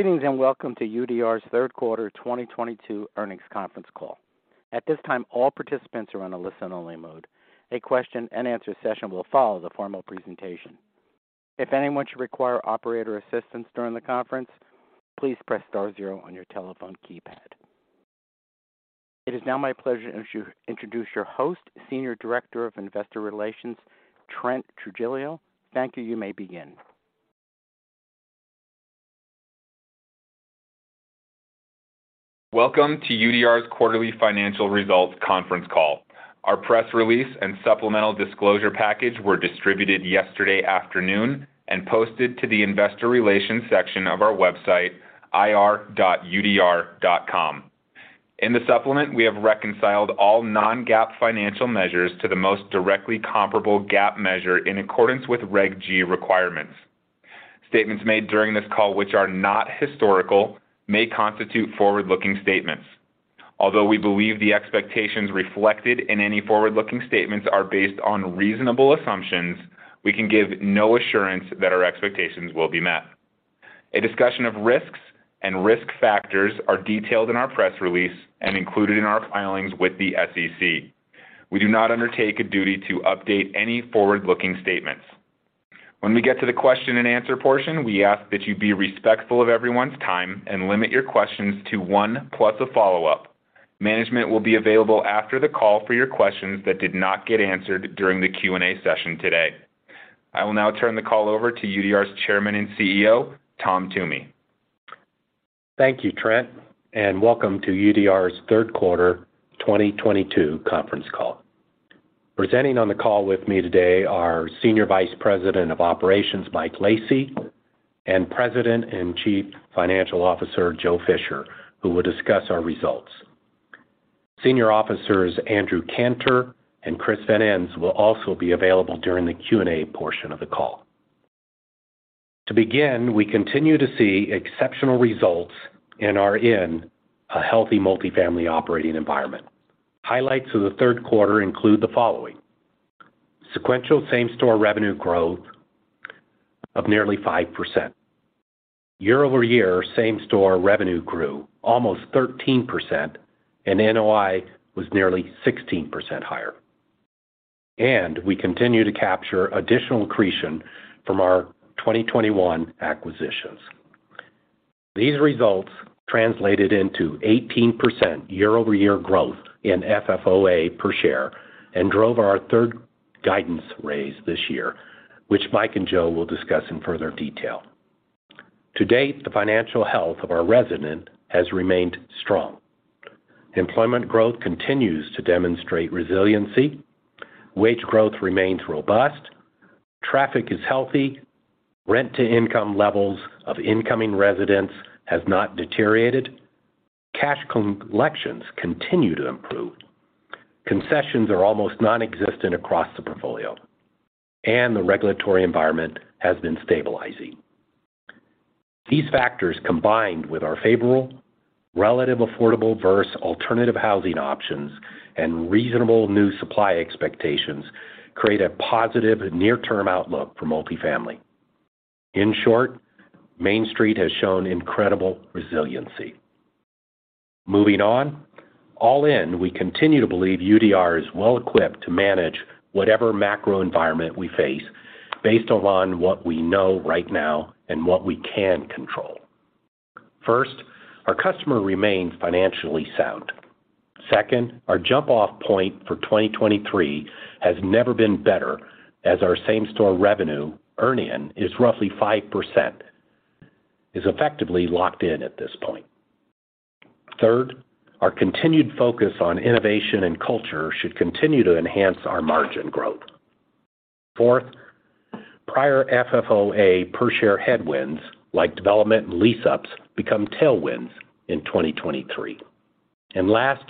Greetings, and welcome to UDR's third quarter 2022 earnings conference call. At this time, all participants are on a listen-only mode. A question-and-answer session will follow the formal presentation. If anyone should require operator assistance during the conference, please press star zero on your telephone keypad. It is now my pleasure to introduce your host, Senior Director of Investor Relations, Trent Trujillo. Thank you. You may begin. Welcome to UDR's quarterly financial results conference call. Our press release and supplemental disclosure package were distributed yesterday afternoon and posted to the investor relations section of our website, ir.udr.com. In the supplement, we have reconciled all non-GAAP financial measures to the most directly comparable GAAP measure in accordance with Reg G requirements. Statements made during this call which are not historical may constitute forward-looking statements. Although we believe the expectations reflected in any forward-looking statements are based on reasonable assumptions, we can give no assurance that our expectations will be met. A discussion of risks and risk factors are detailed in our press release and included in our filings with the SEC. We do not undertake a duty to update any forward-looking statements. When we get to the question-and-answer portion, we ask that you be respectful of everyone's time and limit your questions to one plus a follow-up. Management will be available after the call for your questions that did not get answered during the Q&A session today. I will now turn the call over to UDR's Chairman and CEO, Tom Toomey. Thank you Trent and welcome to UDR's third quarter 2022 conference call. Presenting on the call with me today are Senior Vice President of Operations, Mike Lacy, and President and Chief Financial Officer, Joe Fisher, who will discuss our results. Senior Officers Andrew Cantor and Chris Van Ens will also be available during the Q&A portion of the call. To begin, we continue to see exceptional results and are in a healthy multifamily operating environment. Highlights of the third quarter include the following. Sequential same-store revenue growth of nearly 5%. Year-over-year same-store revenue grew almost 13%, and NOI was nearly 16% higher. We continue to capture additional accretion from our 2021 acquisitions. These results translated into 18% year-over-year growth in FFOA per share and drove our third guidance raise this year, which Mike and Joe will discuss in further detail. To date, the financial health of our residents has remained strong. Employment growth continues to demonstrate resiliency. Wage growth remains robust. Traffic is healthy. Rent-to-income levels of incoming residents has not deteriorated. Cash collections continue to improve. Concessions are almost non-existent across the portfolio, and the regulatory environment has been stabilizing. These factors, combined with our favorable relatively affordable versus alternative housing options and reasonable new supply expectations, create a positive near-term outlook for multifamily. In short, Main Street has shown incredible resiliency. Moving on. All in, we continue to believe UDR is well-equipped to manage whatever macro environment we face based on what we know right now and what we can control. First, our customer remains financially sound. Second, our jump-off point for 2023 has never been better as our same-store revenue earn-in is roughly 5% effectively locked in at this point. Third, our continued focus on innovation and culture should continue to enhance our margin growth. Fourth, prior FFOA per share headwinds like development and lease-ups become tailwinds in 2023. Last,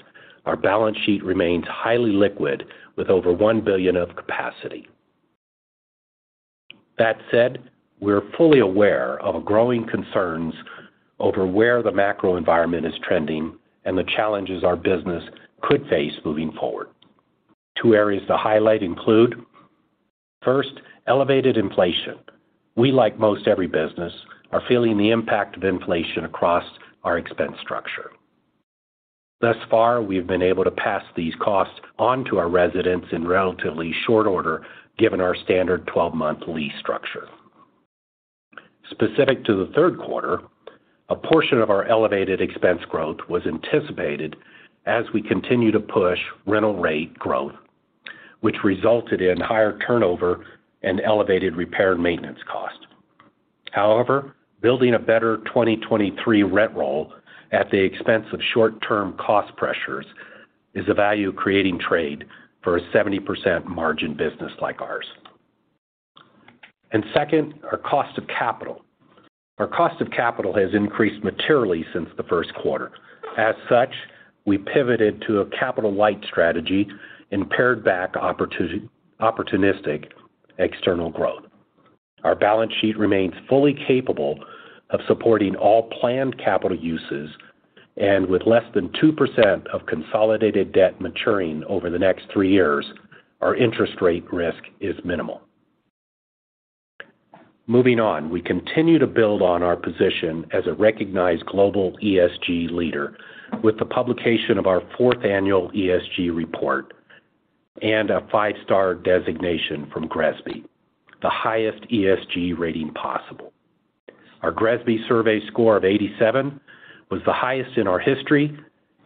our balance sheet remains highly liquid with over $1 billion of capacity. That said, we're fully aware of growing concerns over where the macro environment is trending and the challenges our business could face moving forward. Two areas to highlight include, first, elevated inflation. We, like most every business, are feeling the impact of inflation across our expense structure. Thus far, we've been able to pass these costs on to our residents in relatively short order given our standard 12-month lease structure. Specific to the third quarter, a portion of our elevated expense growth was anticipated as we continue to push rental rate growth, which resulted in higher turnover and elevated repair and maintenance costs. However, building a better 2023 rent roll at the expense of short-term cost pressures is a value-creating trade for a 70% margin business like ours. Second, our cost of capital. Our cost of capital has increased materially since the first quarter. As such, we pivoted to a capital-light strategy and pared back opportunistic external growth. Our balance sheet remains fully capable of supporting all planned capital uses, and with less than 2% of consolidated debt maturing over the next three years, our interest rate risk is minimal. Moving on, we continue to build on our position as a recognized global ESG leader with the publication of our 4th annual ESG report and a five-star designation from GRESB, the highest ESG rating possible. Our GRESB survey score of 87 was the highest in our history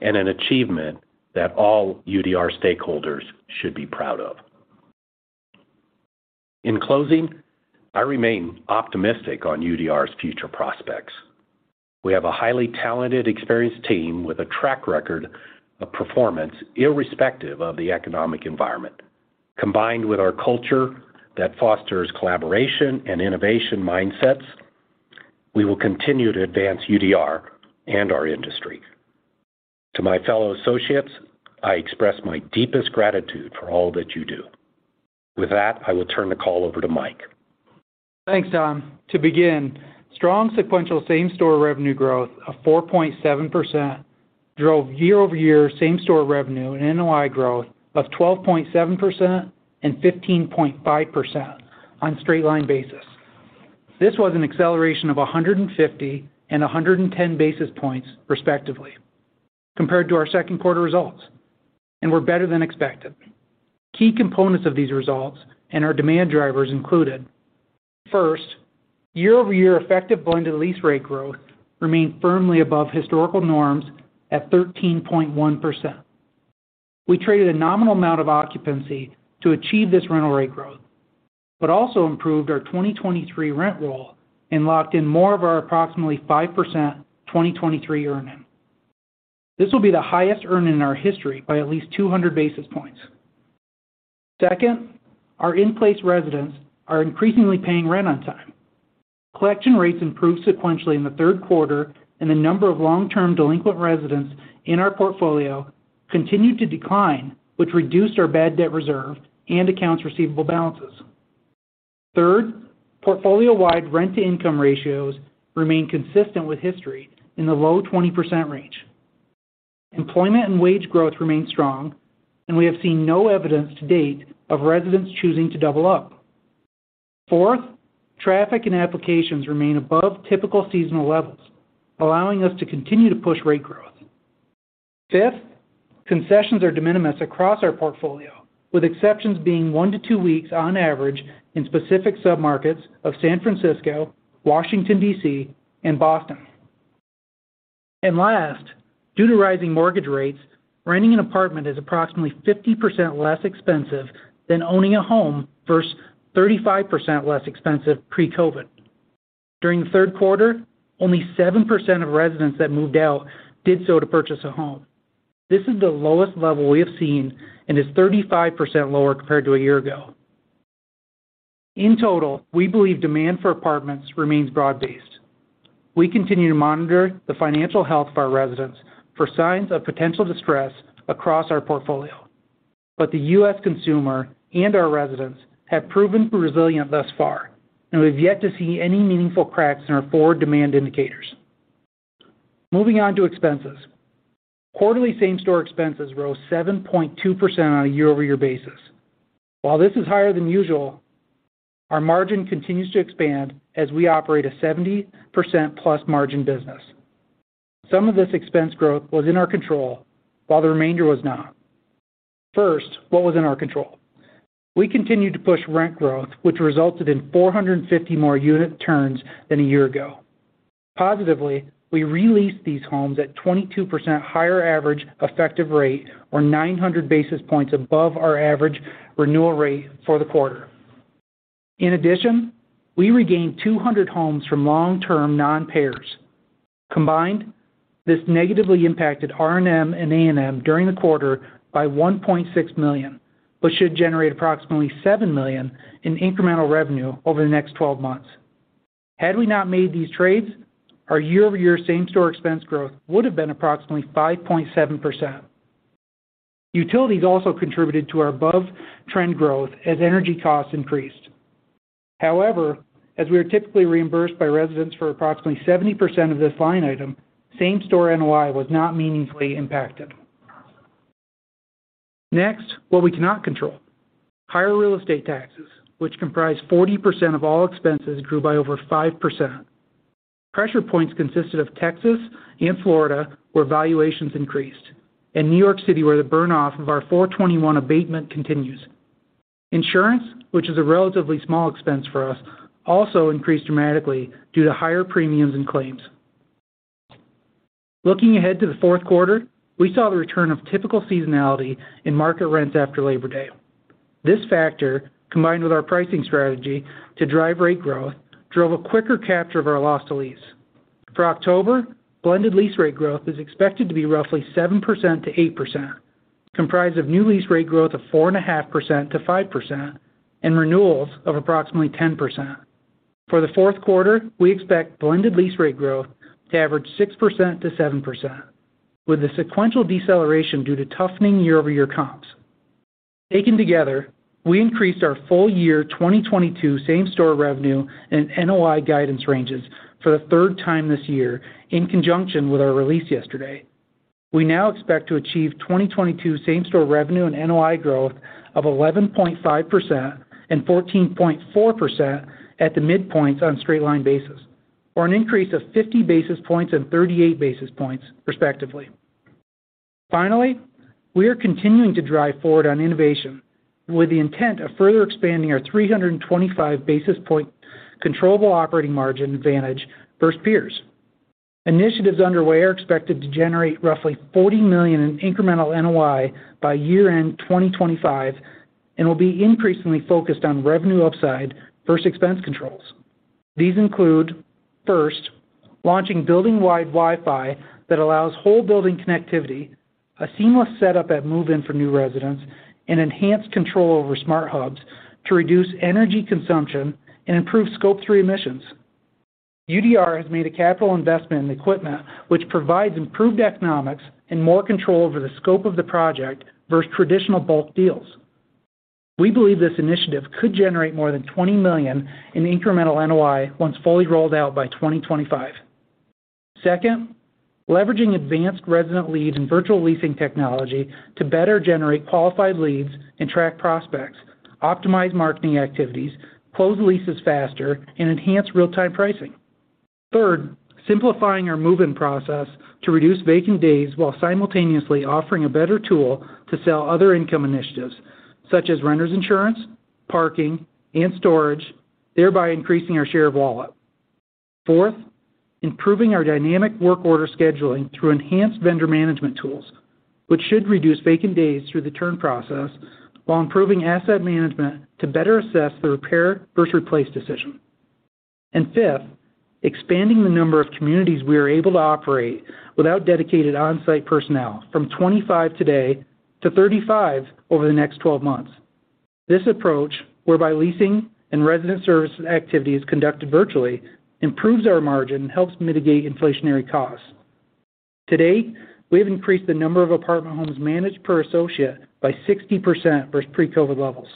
and an achievement that all UDR stakeholders should be proud of. In closing, I remain optimistic on UDR's future prospects. We have a highly talented, experienced team with a track record of performance irrespective of the economic environment. Combined with our culture that fosters collaboration and innovation mindsets, we will continue to advance UDR and our industry. To my fellow associates, I express my deepest gratitude for all that you do. With that, I will turn the call over to Mike. Thanks Tom to begin strong sequential same-store revenue growth of 4.7% drove year-over-year same-store revenue and NOI growth of 12.7% and 15.5% on straight line basis. This was an acceleration of 150 and 110 basis points respectively compared to our second quarter results and were better than expected. Key components of these results and our demand drivers included, first, year-over-year effective blended lease rate growth remained firmly above historical norms at 13.1%. We traded a nominal amount of occupancy to achieve this rental rate growth, but also improved our 2023 rent roll and locked in more of our approximately 5% 2023 earn in. This will be the highest earn in our history by at least 200 basis points. Second, our in-place residents are increasingly paying rent on time. Collection rates improved sequentially in the third quarter, and the number of long-term delinquent residents in our portfolio continued to decline, which reduced our bad debt reserve and accounts receivable balances. Third, portfolio-wide rent-to-income ratios remain consistent with history in the low 20% range. Employment and wage growth remain strong, and we have seen no evidence to date of residents choosing to double up. Fourth, traffic and applications remain above typical seasonal levels, allowing us to continue to push rate growth. Fifth, concessions are de minimis across our portfolio, with exceptions being one to two weeks on average in specific sub-markets of San Francisco, Washington, D.C., and Boston. Due to rising mortgage rates, renting an apartment is approximately 50% less expensive than owning a home versus 35% less expensive pre-COVID. During the third quarter, only 7% of residents that moved out did so to purchase a home. This is the lowest level we have seen and is 35% lower compared to a year ago. In total, we believe demand for apartments remains broad-based. We continue to monitor the financial health of our residents for signs of potential distress across our portfolio. The U.S. consumer and our residents have proven resilient thus far, and we've yet to see any meaningful cracks in our forward demand indicators. Moving on to expenses. Quarterly same-store expenses rose 7.2% on a year-over-year basis. While this is higher than usual, our margin continues to expand as we operate a 70% plus margin business. Some of this expense growth was in our control, while the remainder was not. First, what was in our control. We continued to push rent growth, which resulted in 450 more unit turns than a year ago. Positively, we re-leased these homes at 22% higher average effective rate or 900 basis points above our average renewal rate for the quarter. In addition, we regained 200 homes from long-term non-payers. Combined, this negatively impacted R&M and A&M during the quarter by $1.6 million, but should generate approximately $7 million in incremental revenue over the next 12 months. Had we not made these trades, our year-over-year same-store expense growth would have been approximately 5.7%. Utilities also contributed to our above-trend growth as energy costs increased. However, as we are typically reimbursed by residents for approximately 70% of this line item, same-store NOI was not meaningfully impacted. Next, what we cannot control. Higher real estate taxes, which comprise 40% of all expenses, grew by over 5%. Pressure points consisted of Texas and Florida, where valuations increased, and New York City, where the burn-off of our 421-a abatement continues. Insurance, which is a relatively small expense for us, also increased dramatically due to higher premiums and claims. Looking ahead to the fourth quarter, we saw the return of typical seasonality in market rents after Labor Day. This factor, combined with our pricing strategy to drive rate growth, drove a quicker capture of our loss to lease. For October, blended lease rate growth is expected to be roughly 7%-8%, comprised of new lease rate growth of 4.5%-5% and renewals of approximately 10%. For the fourth quarter, we expect blended lease rate growth to average 6%-7%, with a sequential deceleration due to toughening year-over-year comps. Taken together, we increased our full-year 2022 same-store revenue and NOI guidance ranges for the third time this year in conjunction with our release yesterday. We now expect to achieve 2022 same-store revenue and NOI growth of 11.5% and 14.4% at the midpoints on straight-line basis, or an increase of 50 basis points and 38 basis points respectively. Finally, we are continuing to drive forward on innovation with the intent of further expanding our 325 basis point controllable operating margin advantage versus peers. Initiatives underway are expected to generate roughly $40 million in incremental NOI by year-end 2025 and will be increasingly focused on revenue upside versus expense controls. These include, first, launching building-wide Wi-Fi that allows whole building connectivity, a seamless setup at move-in for new residents, and enhanced control over smart hubs to reduce energy consumption and improve Scope 3 emissions. UDR has made a capital investment in equipment which provides improved economics and more control over the scope of the project versus traditional bulk deals. We believe this initiative could generate more than $20 million in incremental NOI once fully rolled out by 2025. Second, leveraging advanced resident leads and virtual leasing technology to better generate qualified leads and track prospects, optimize marketing activities, close leases faster, and enhance real-time pricing. Third, simplifying our move-in process to reduce vacant days while simultaneously offering a better tool to sell other income initiatives, such as renters insurance, parking, and storage, thereby increasing our share of wallet. Fourth, improving our dynamic work order scheduling through enhanced vendor management tools, which should reduce vacant days through the turn process while improving asset management to better assess the repair versus replace decision. Fifth, expanding the number of communities we are able to operate without dedicated on-site personnel from 25 today to 35 over the next 12 months. This approach, whereby leasing and resident service activity is conducted virtually, improves our margin and helps mitigate inflationary costs. To date, we have increased the number of apartment homes managed per associate by 60% versus pre-COVID levels.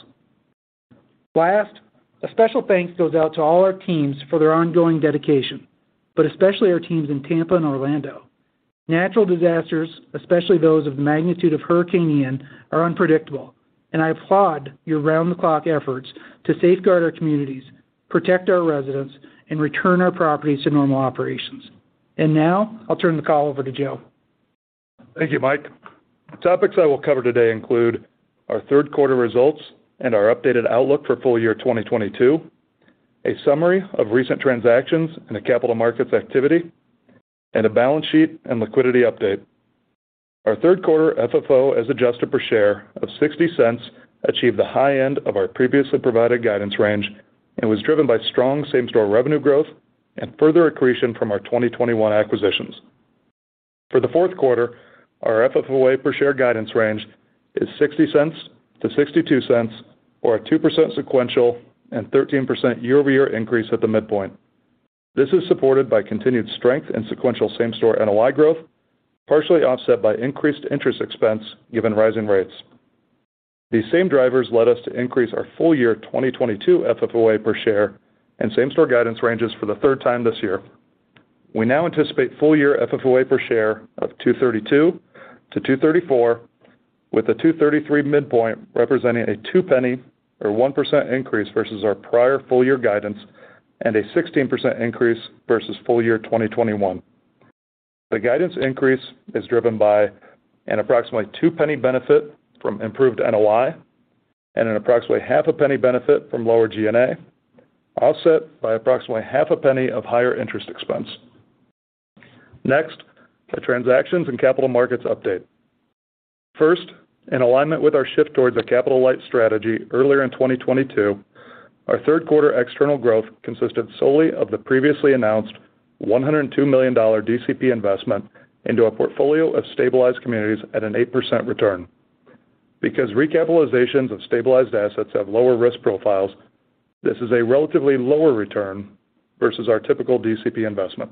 Last, a special thanks goes out to all our teams for their ongoing dedication, but especially our teams in Tampa and Orlando. Natural disasters, especially those of the magnitude of Hurricane Ian, are unpredictable, and I applaud your round-the-clock efforts to safeguard our communities, protect our residents, and return our properties to normal operations. Now, I'll turn the call over to Joe. Thank you Mike topics I will cover today include our third quarter results and our updated outlook for full year 2022, a summary of recent transactions and the capital markets activity, and a balance sheet and liquidity update. Our third quarter FFO as adjusted per share of $0.60 achieved the high end of our previously provided guidance range and was driven by strong same-store revenue growth and further accretion from our 2021 acquisitions. For the fourth quarter, our FFOA per share guidance range is $0.60-$0.62, or a 2% sequential and 13% year-over-year increase at the midpoint. This is supported by continued strength in sequential same-store NOI growth, partially offset by increased interest expense given rising rates. These same drivers led us to increase our full year 2022 FFOA per share and same-store guidance ranges for the third time this year. We now anticipate full year FFOA per share of $2.32-$2.34, with the $2.33 midpoint representing a $0.02 or 1% increase versus our prior full year guidance and a 16% increase versus full year 2021. The guidance increase is driven by an approximately $0.02 benefit from improved NOI and an approximately $0.005 benefit from lower G&A, offset by approximately $0.005 of higher interest expense. Next, the transactions and capital markets update. First, in alignment with our shift towards a capital-light strategy earlier in 2022, our third quarter external growth consisted solely of the previously announced $102 million DCP investment into our portfolio of stabilized communities at an 8% return. Because recapitalizations of stabilized assets have lower risk profiles, this is a relatively lower return versus our typical DCP investment.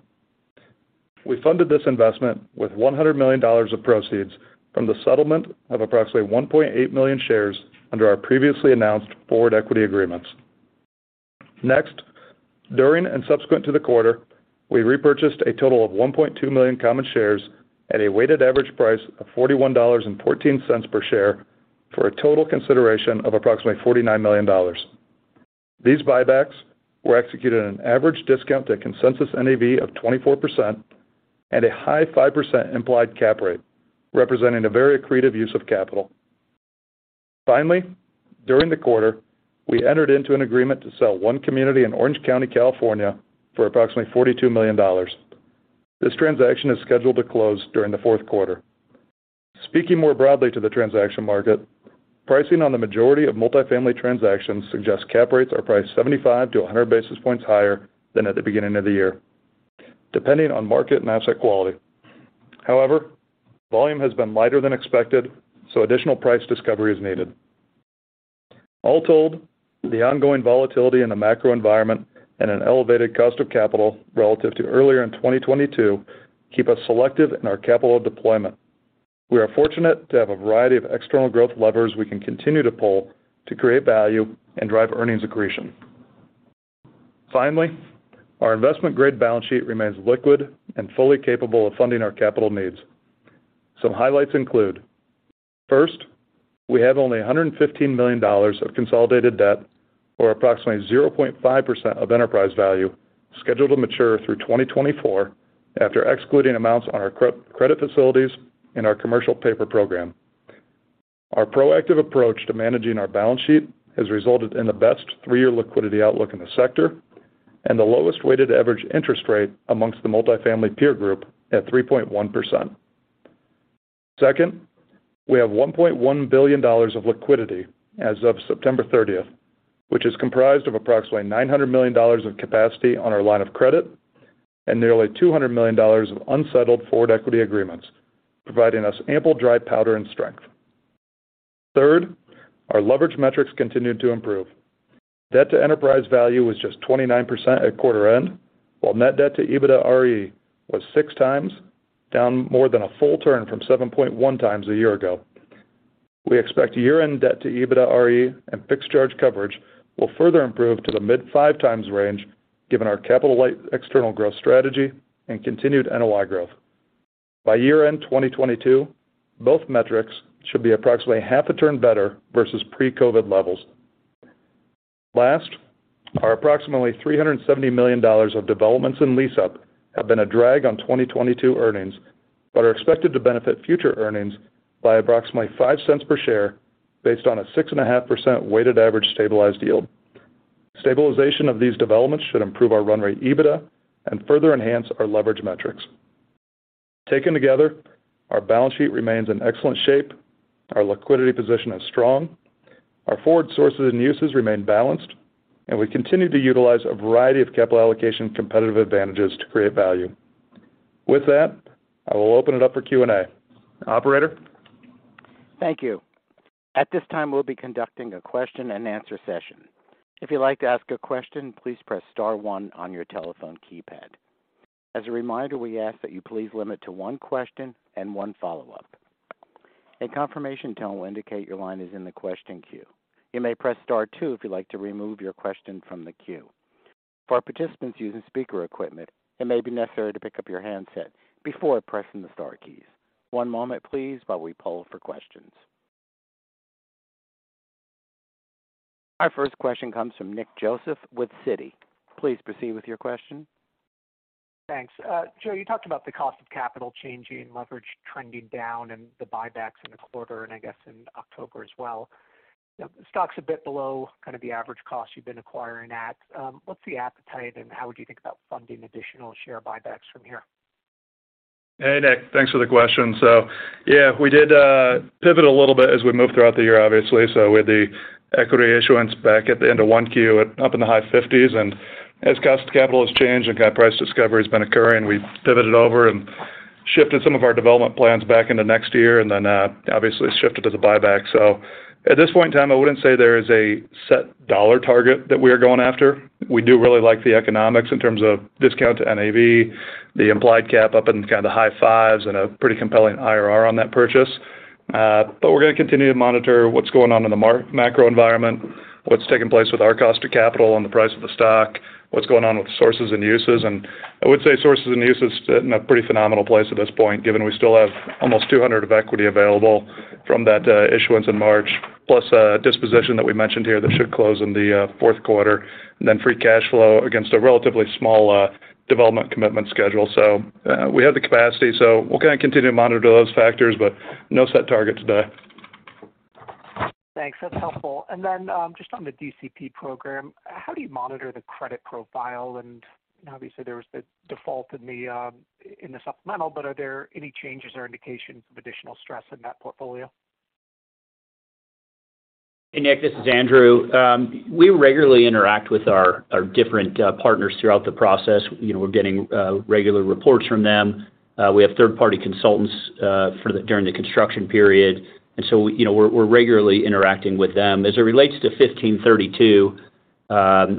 We funded this investment with $100 million of proceeds from the settlement of approximately 1.8 million shares under our previously announced forward equity agreements. Next, during and subsequent to the quarter, we repurchased a total of 1.2 million common shares at a weighted average price of $41.14 per share for a total consideration of approximately $49 million. These buybacks were executed at an average discount to consensus NAV of 24% and a high 5% implied cap rate, representing a very accretive use of capital. Finally, during the quarter, we entered into an agreement to sell one community in Orange County, California, for approximately $42 million. This transaction is scheduled to close during the fourth quarter. Speaking more broadly to the transaction market, pricing on the majority of multifamily transactions suggests cap rates are priced 75-100 basis points higher than at the beginning of the year, depending on market and asset quality. However, volume has been lighter than expected, so additional price discovery is needed. All told, the ongoing volatility in the macro environment and an elevated cost of capital relative to earlier in 2022 keep us selective in our capital deployment. We are fortunate to have a variety of external growth levers we can continue to pull to create value and drive earnings accretion. Finally, our investment grade balance sheet remains liquid and fully capable of funding our capital needs. Some highlights include first, we have only $115 million of consolidated debt or approximately 0.5% of enterprise value scheduled to mature through 2024 after excluding amounts on our credit facilities in our commercial paper program. Our proactive approach to managing our balance sheet has resulted in the best three-year liquidity outlook in the sector and the lowest weighted average interest rate amongst the multifamily peer group at 3.1%. Second, we have $1.1 billion of liquidity as of September 30, which is comprised of approximately $900 million of capacity on our line of credit and nearly $200 million of unsettled forward equity agreements, providing us ample dry powder and strength. Third, our leverage metrics continued to improve. Debt to enterprise value was just 29% at quarter end, while net debt to EBITDAre was 6x, down more than a full turn from 7.1x a year ago. We expect year-end debt to EBITDAre and fixed charge coverage will further improve to the mid-5x range given our capital external growth strategy and continued NOI growth. By year-end 2022, both metrics should be approximately half a turn better versus pre-COVID levels. Last, our approximately $370 million of developments in lease-up have been a drag on 2022 earnings, but are expected to benefit future earnings by approximately $0.05 per share based on a 6.5% weighted average stabilized yield. Stabilization of these developments should improve our run rate EBITDAre and further enhance our leverage metrics. Taken together, our balance sheet remains in excellent shape, our liquidity position is strong, our forward sources and uses remain balanced, and we continue to utilize a variety of capital allocation competitive advantages to create value. With that, I will open it up for Q&A. Operator. Thank you. At this time, we'll be conducting a question and answer session. If you'd like to ask a question, please press star one on your telephone keypad. As a reminder, we ask that you please limit to one question and one follow-up. A confirmation tone will indicate your line is in the question queue. You may press Star two if you'd like to remove your question from the queue. For participants using speaker equipment, it may be necessary to pick up your handset before pressing the star keys. One moment, please, while we poll for questions. Our first question comes from Nick Joseph with Citi. Please proceed with your question. Thanks Joe you talked about the cost of capital changing, leverage trending down and the buybacks in the quarter and I guess in October as well. Stock's a bit below kind of the average cost you've been acquiring at. What's the appetite and how would you think about funding additional share buybacks from here? Hey Nick thanks for the question. Yeah, we did pivot a little bit as we moved throughout the year, obviously. With the equity issuance back at the end of 1Q up in the high 50s. As cost of capital has changed and price discovery has been occurring, we pivoted over and shifted some of our development plans back into next year and then obviously shifted to the buyback. At this point in time, I wouldn't say there is a set dollar target that we are going after. We do really like the economics in terms of discount to NAV, the implied cap up in kind of the high fives and a pretty compelling IRR on that purchase. We're going to continue to monitor what's going on in the macro environment, what's taking place with our cost of capital and the price of the stock, what's going on with sources and uses. I would say sources and uses in a pretty phenomenal place at this point, given we still have almost 200 of equity available from that issuance in March, plus a disposition that we mentioned here that should close in the fourth quarter, then free cash flow against a relatively small development commitment schedule. We have the capacity, so we're going to continue to monitor those factors, but no set targets today. Thanks. That's helpful. Just on the DCP program, how do you monitor the credit profile? Obviously there was the default in the supplemental, but are there any changes or indications of additional stress in that portfolio? Hey Nick this is Andrew. We regularly interact with our different partners throughout the process. You know, we're getting regular reports from them. We have third-party consultants during the construction period, and so, you know, we're regularly interacting with them. As it relates to 1532,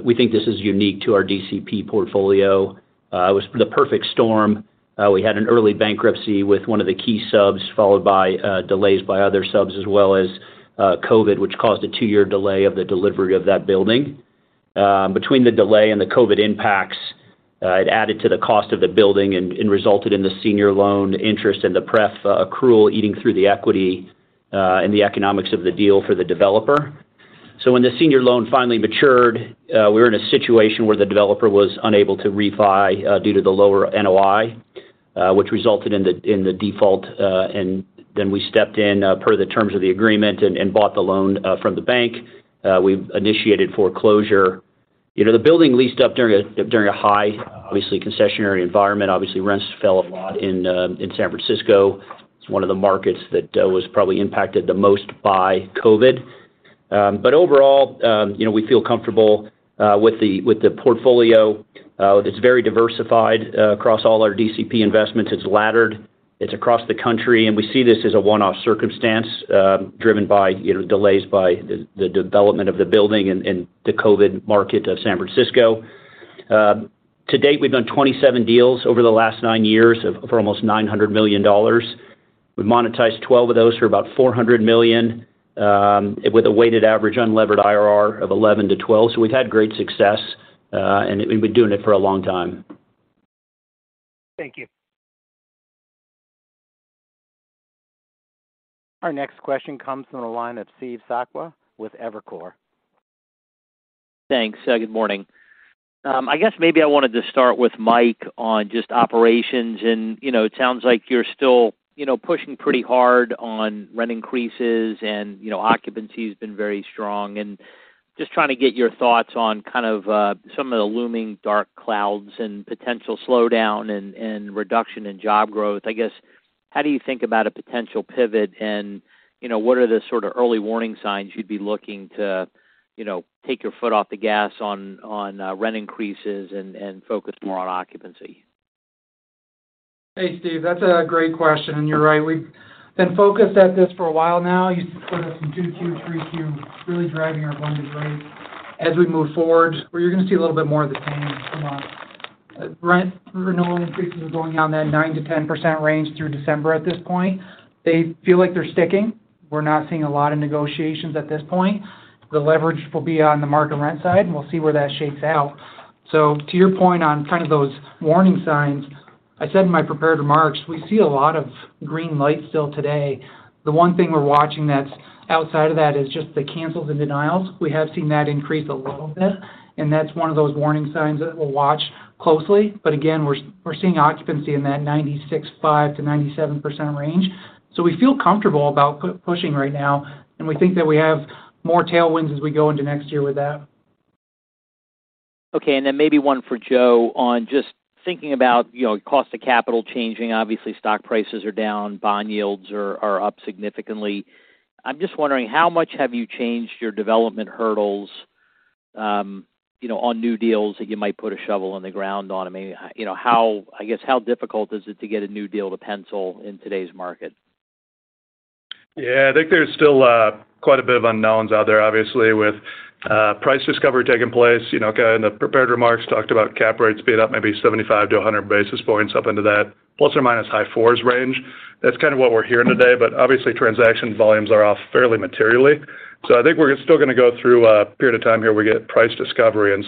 we think this is unique to our DCP portfolio. It was the perfect storm. We had an early bankruptcy with one of the key subs, followed by delays by other subs, as well as COVID, which caused a two-year delay of the delivery of that building. Between the delay and the COVID impacts, it added to the cost of the building and resulted in the senior loan interest and the pref accrual eating through the equity and the economics of the deal for the developer. When the senior loan finally matured, we were in a situation where the developer was unable to refi due to the lower NOI, which resulted in the default. Then we stepped in per the terms of the agreement and bought the loan from the bank. We initiated foreclosure. You know, the building leased up during a high obviously concessionary environment. Obviously, rents fell a lot in San Francisco. It's one of the markets that was probably impacted the most by COVID. Overall, you know, we feel comfortable with the portfolio. It's very diversified across all our DCP investments. It's laddered, it's across the country, and we see this as a one-off circumstance, driven by you know delays by the development of the building and the COVID market of San Francisco. To date, we've done 27 deals over the last nine years for almost $900 million. We've monetized 12 of those for about $400 million, with a weighted average unlevered IRR of 11%-12%. We've had great success, and we've been doing it for a long time. Thank you. Our next question comes from the line of Steve Sakwa with Evercore. Thanks. Good morning. I guess maybe I wanted to start with Mike on just operations. You know, it sounds like you're still, you know, pushing pretty hard on rent increases and, you know, occupancy has been very strong. Just trying to get your thoughts on kind of some of the looming dark clouds and potential slowdown and reduction in job growth. I guess, how do you think about a potential pivot and, you know, what are the sort of early warning signs you'd be looking to, you know, take your foot off the gas on rent increases and focus more on occupancy? Hey, Steve. That's a great question. You're right, we've been focused on this for a while now. You put us in 2Q, 3Q, really driving our blended rate as we move forward, where you're going to see a little bit more of the same going on. Rent renewal increases are going on that 9%-10% range through December at this point. They feel like they're sticking. We're not seeing a lot of negotiations at this point. The leverage will be on the mark-to-rent side, and we'll see where that shakes out. To your point on kind of those warning signs, I said in my prepared remarks, we see a lot of green lights still today. The one thing we're watching that's outside of that is just the cancels and denials. We have seen that increase a little bit, and that's one of those warning signs that we'll watch closely. Again, we're seeing occupancy in that 96.5%-97% range. We feel comfortable about pushing right now, and we think that we have more tailwinds as we go into next year with that. Okay. Maybe one for Joe on just thinking about, you know, cost of capital changing. Obviously, stock prices are down, bond yields are up significantly. I'm just wondering, how much have you changed your development hurdles, you know, on new deals that you might put a shovel in the ground on? Maybe, you know, I guess, how difficult is it to get a new deal to pencil in today's market? Yeah, I think there's still quite a bit of unknowns out there, obviously, with price discovery taking place. You know, kind of in the prepared remarks, talked about cap rates being up maybe 75-100 basis points up into that plus or minus high fours range. That's kind of what we're hearing today, but obviously, transaction volumes are off fairly materially. I think we're still gonna go through a period of time here. We get price discovery, and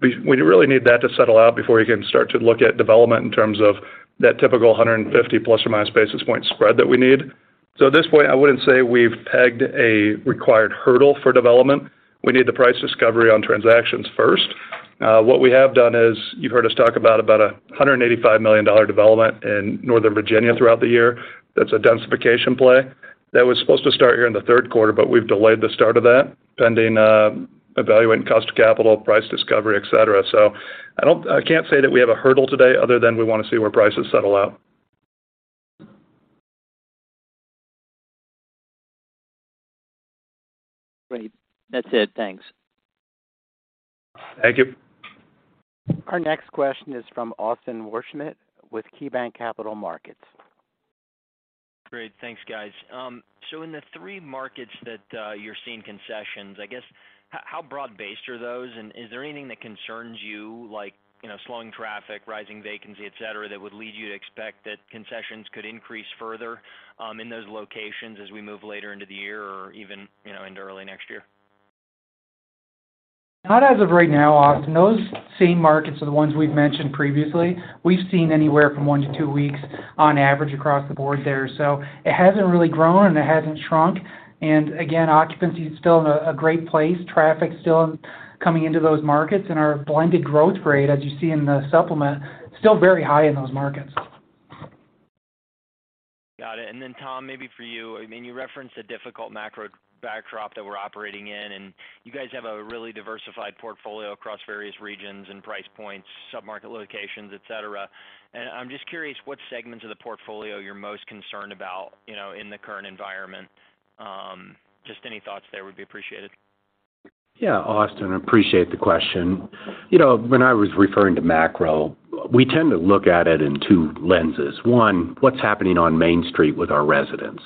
we really need that to settle out before we can start to look at development in terms of that typical 150± basis point spread that we need. At this point, I wouldn't say we've pegged a required hurdle for development. We need the price discovery on transactions first. What we have done is, you've heard us talk about about a $185 million development in Northern Virginia throughout the year. That's a densification play. That was supposed to start here in the third quarter, but we've delayed the start of that pending evaluating cost of capital, price discovery, etc. I can't say that we have a hurdle today other than we want to see where prices settle out. Great. That's it. Thanks. Thank you. Our next question is from Austin Wurschmidt with KeyBanc Capital Markets. Great. Thanks, guys. In the three markets that you're seeing concessions, I guess how broad-based are those? Is there anything that concerns you like, you know, slowing traffic, rising vacancy, etc., that would lead you to expect that concessions could increase further, in those locations as we move later into the year or even, you know, into early next year? Not as of right now, Austin. Those same markets are the ones we've mentioned previously. We've seen anywhere from one to two weeks on average across the board there. It hasn't really grown, and it hasn't shrunk. Again, occupancy is still in a great place. Traffic still coming into those markets and our blended growth rate, as you see in the supplement, still very high in those markets. Got it. Tom, maybe for you. I mean, you referenced the difficult macro backdrop that we're operating in, and you guys have a really diversified portfolio across various regions and price points, sub-market locations, etc. I'm just curious what segments of the portfolio you're most concerned about, you know, in the current environment. Just any thoughts there would be appreciated. Yeah. Austin, appreciate the question. You know, when I was referring to macro, we tend to look at it in two lenses. One, what's happening on Main Street with our residents.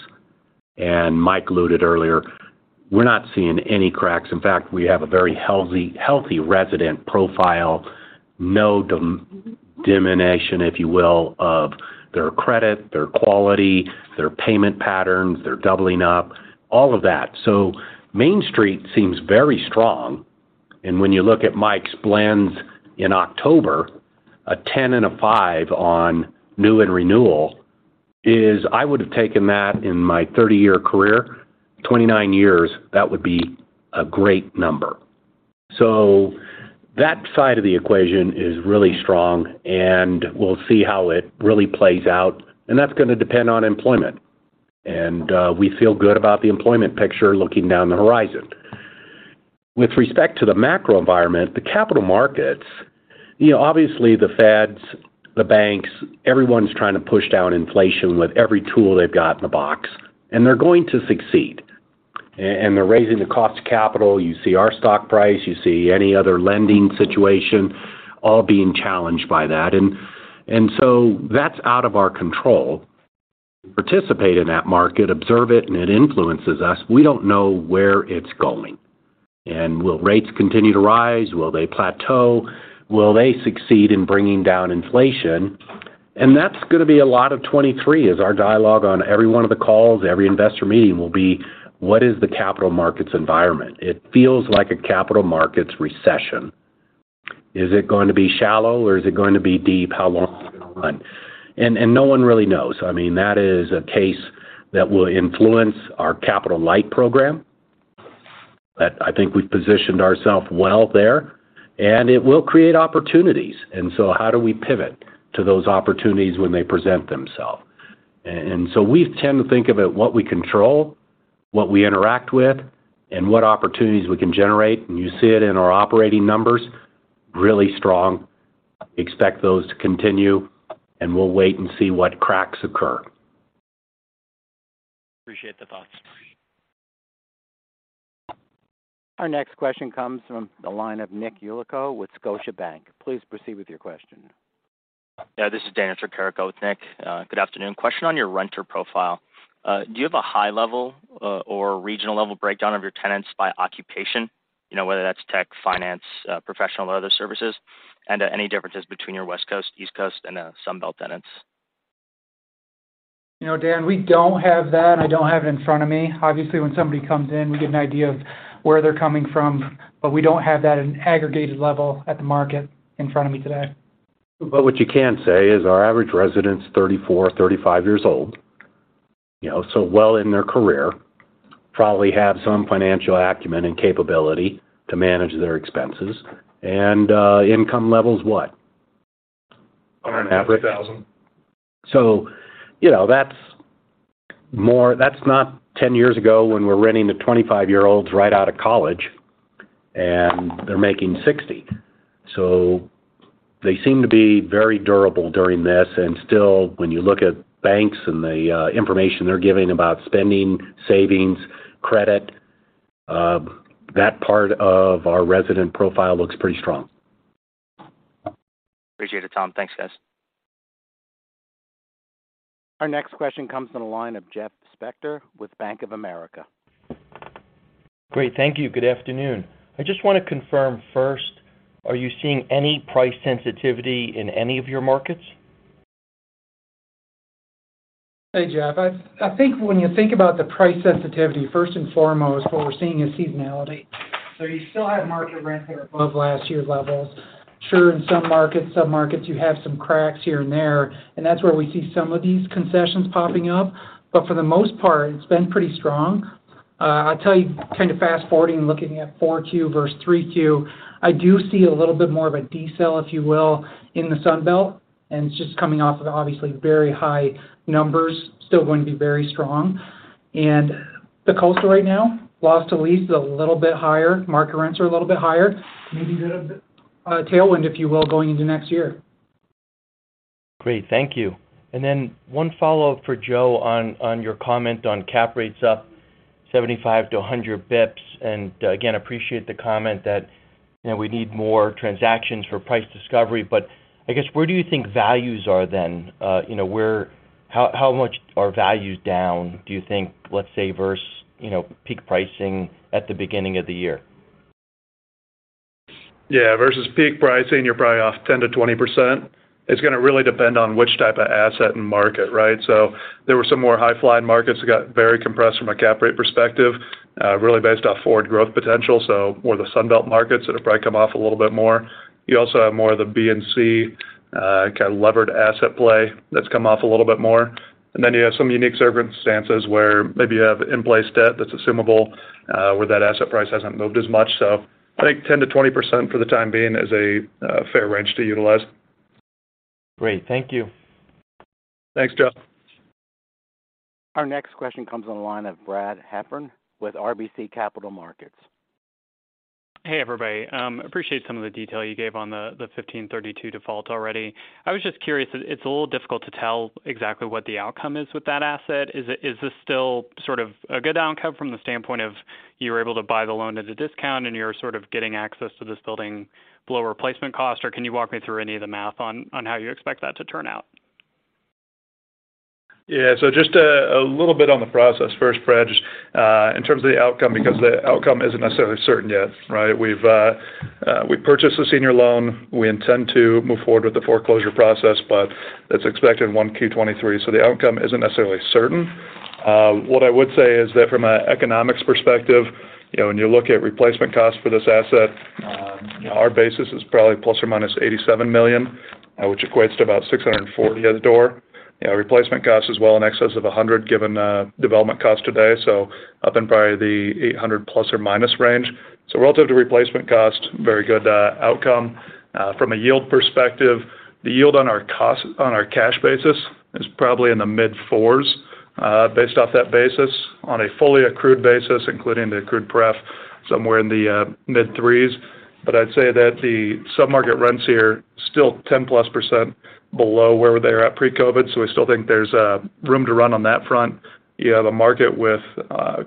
Mike alluded earlier, we're not seeing any cracks. In fact, we have a very healthy resident profile. No diminution, if you will, of their credit, their quality, their payment patterns, their doubling up, all of that. So Main Street seems very strong. When you look at Mike's blends in October, a 10 and a 5 on new and renewal is. I would have taken that in my 30-year career, 29 years, that would be a great number. So that side of the equation is really strong, and we'll see how it really plays out, and that's gonna depend on employment. We feel good about the employment picture looking down the horizon. With respect to the macro environment, the capital markets, you know, obviously the feds, the banks, everyone's trying to push down inflation with every tool they've got in the box, and they're going to succeed. They're raising the cost of capital. You see our stock price, you see any other lending situation all being challenged by that. That's out of our control. Participate in that market, observe it, and it influences us. We don't know where it's going. Will rates continue to rise? Will they plateau? Will they succeed in bringing down inflation? That's gonna be a lot of 2023 as our dialogue on every one of the calls, every investor meeting will be, what is the capital markets environment? It feels like a capital markets recession. Is it going to be shallow or is it going to be deep? How long is it gonna run? No one really knows. I mean, that is a case that will influence our capital light program, but I think we've positioned ourselves well there, and it will create opportunities. How do we pivot to those opportunities when they present themselves? We tend to think about what we control, what we interact with, and what opportunities we can generate. You see it in our operating numbers, really strong. Expect those to continue, and we'll wait and see what cracks occur. Appreciate the thoughts. Our next question comes from the line of Nicholas Yulico with Scotiabank. Please proceed with your question. Yeah. This is Daniel Tricarico with Nick. Good afternoon. Question on your renter profile. Do you have a high level or regional level breakdown of your tenants by occupation? You know, whether that's tech, finance, professional or other services? Any differences between your West Coast, East Coast and Sun Belt tenants. You know, Dan, we don't have that. I don't have it in front of me. Obviously, when somebody comes in, we get an idea of where they're coming from, but we don't have that at an aggregated level at the market in front of me today. What you can say is our average resident's 34-35 years old, you know, so well in their career, probably have some financial acumen and capability to manage their expenses. Income level's what? $150,000. You know, that's not 10 years ago when we're renting to 25-year-olds right out of college, and they're making $60. They seem to be very durable during this. Still, when you look at banks and the information they're giving about spending, savings, credit, that part of our resident profile looks pretty strong. Appreciate it, Tom. Thanks, guys. Our next question comes from the line of Jeff Spector with Bank of America. Great. Thank you. Good afternoon. I just wanna confirm first, are you seeing any price sensitivity in any of your markets? Hey, Jeff. I think when you think about the price sensitivity, first and foremost, what we're seeing is seasonality. You still have market rents that are above last year's levels. Sure, in some markets, submarkets, you have some cracks here and there, and that's where we see some of these concessions popping up. For the most part, it's been pretty strong. I'll tell you kind of fast-forwarding, looking at 4Q versus 3Q, I do see a little bit more of a decel, if you will, in the Sun Belt, and it's just coming off of obviously very high numbers, still going to be very strong. The Coast right now, loss to lease a little bit higher. Market rents are a little bit higher. Maybe a bit of a tailwind, if you will, going into next year. Great. Thank you. Then one follow-up for Joe on your comment on cap rates up 75-100 basis points. Again, appreciate the comment that, you know, we need more transactions for price discovery. I guess, where do you think values are then? You know, where? How much are values down, do you think, let's say, versus, you know, peak pricing at the beginning of the year? Yeah. Versus peak pricing, you're probably off 10%-20%. It's gonna really depend on which type of asset and market, right? There were some more high-flying markets that got very compressed from a cap rate perspective, really based off forward growth potential, so more the Sun Belt markets that have probably come off a little bit more. You also have more of the B and C kind of levered asset play that's come off a little bit more. Then you have some unique circumstances where maybe you have in-place debt that's assumable, where that asset price hasn't moved as much. I think 10%-20% for the time being is a fair range to utilize. Great. Thank you. Thanks, Jeff. Our next question comes on the line of Brad Heffern with RBC Capital Markets. Hey, everybody. Appreciate some of the detail you gave on the 1532 default already. I was just curious, it's a little difficult to tell exactly what the outcome is with that asset. Is this still sort of a good outcome from the standpoint of you're able to buy the loan at a discount and you're sort of getting access to this building below replacement cost, or can you walk me through any of the math on how you expect that to turn out? Yeah. Just a little bit on the process first, Brad, just in terms of the outcome, because the outcome isn't necessarily certain yet, right? We've purchased a senior loan. We intend to move forward with the foreclosure process, but that's expected in 1Q 2023. The outcome isn't necessarily certain. What I would say is that from an economics perspective, you know, when you look at replacement costs for this asset, our basis is probably ±$87 million, which equates to about $640 at the door. Yeah, replacement cost is well in excess of $100 given development cost today, so up in probably the $800 ± range. Relative to replacement cost, very good outcome. From a yield perspective, the yield on our cash basis is probably in the mid-fours, based off that basis. On a fully accrued basis, including the accrued pref, somewhere in the mid-threes. I'd say that the submarket rents here still 10%+ below where they're at pre-COVID, so we still think there's room to run on that front. You have a market with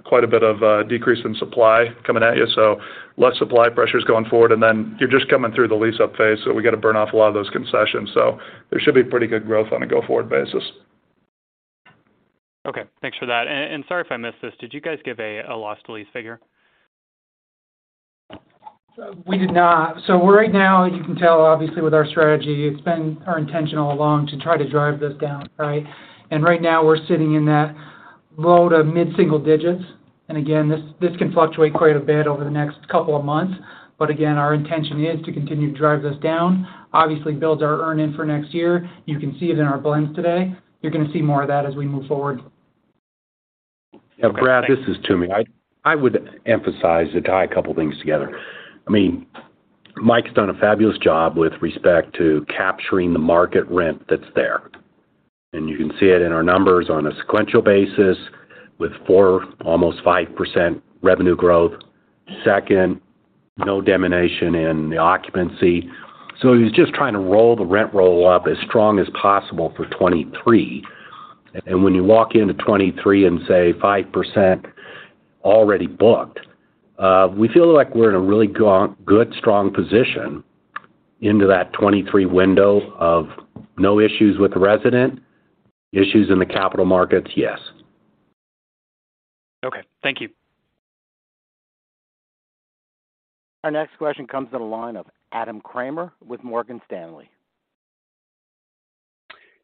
quite a bit of decrease in supply coming at you, so less supply pressures going forward. Then you're just coming through the lease-up phase, so we got to burn off a lot of those concessions. There should be pretty good growth on a go-forward basis. Okay. Thanks for that. Sorry if I missed this. Did you guys give a lost lease figure? We did not. Right now, you can tell obviously with our strategy, it's been our intention all along to try to drive this down, right? Right now we're sitting in that low to mid-single digits. Again, this can fluctuate quite a bit over the next couple of months. Again, our intention is to continue to drive this down, obviously build our earn in for next year. You can see it in our blends today. You're gonna see more of that as we move forward. Yeah. Brad, this is Tom. I would emphasize and tie a couple things together. I mean, Mike's done a fabulous job with respect to capturing the market rent that's there, and you can see it in our numbers on a sequential basis with four, almost 5% revenue growth. Second, no diminution in the occupancy. He's just trying to roll the rent roll up as strong as possible for 2023. When you walk into 2023 and say 5% already booked, we feel like we're in a really good, strong position into that 2023 window of no issues with the resident. Issues in the capital markets, yes. Okay. Thank you. Our next question comes to the line of Adam Kramer with Morgan Stanley.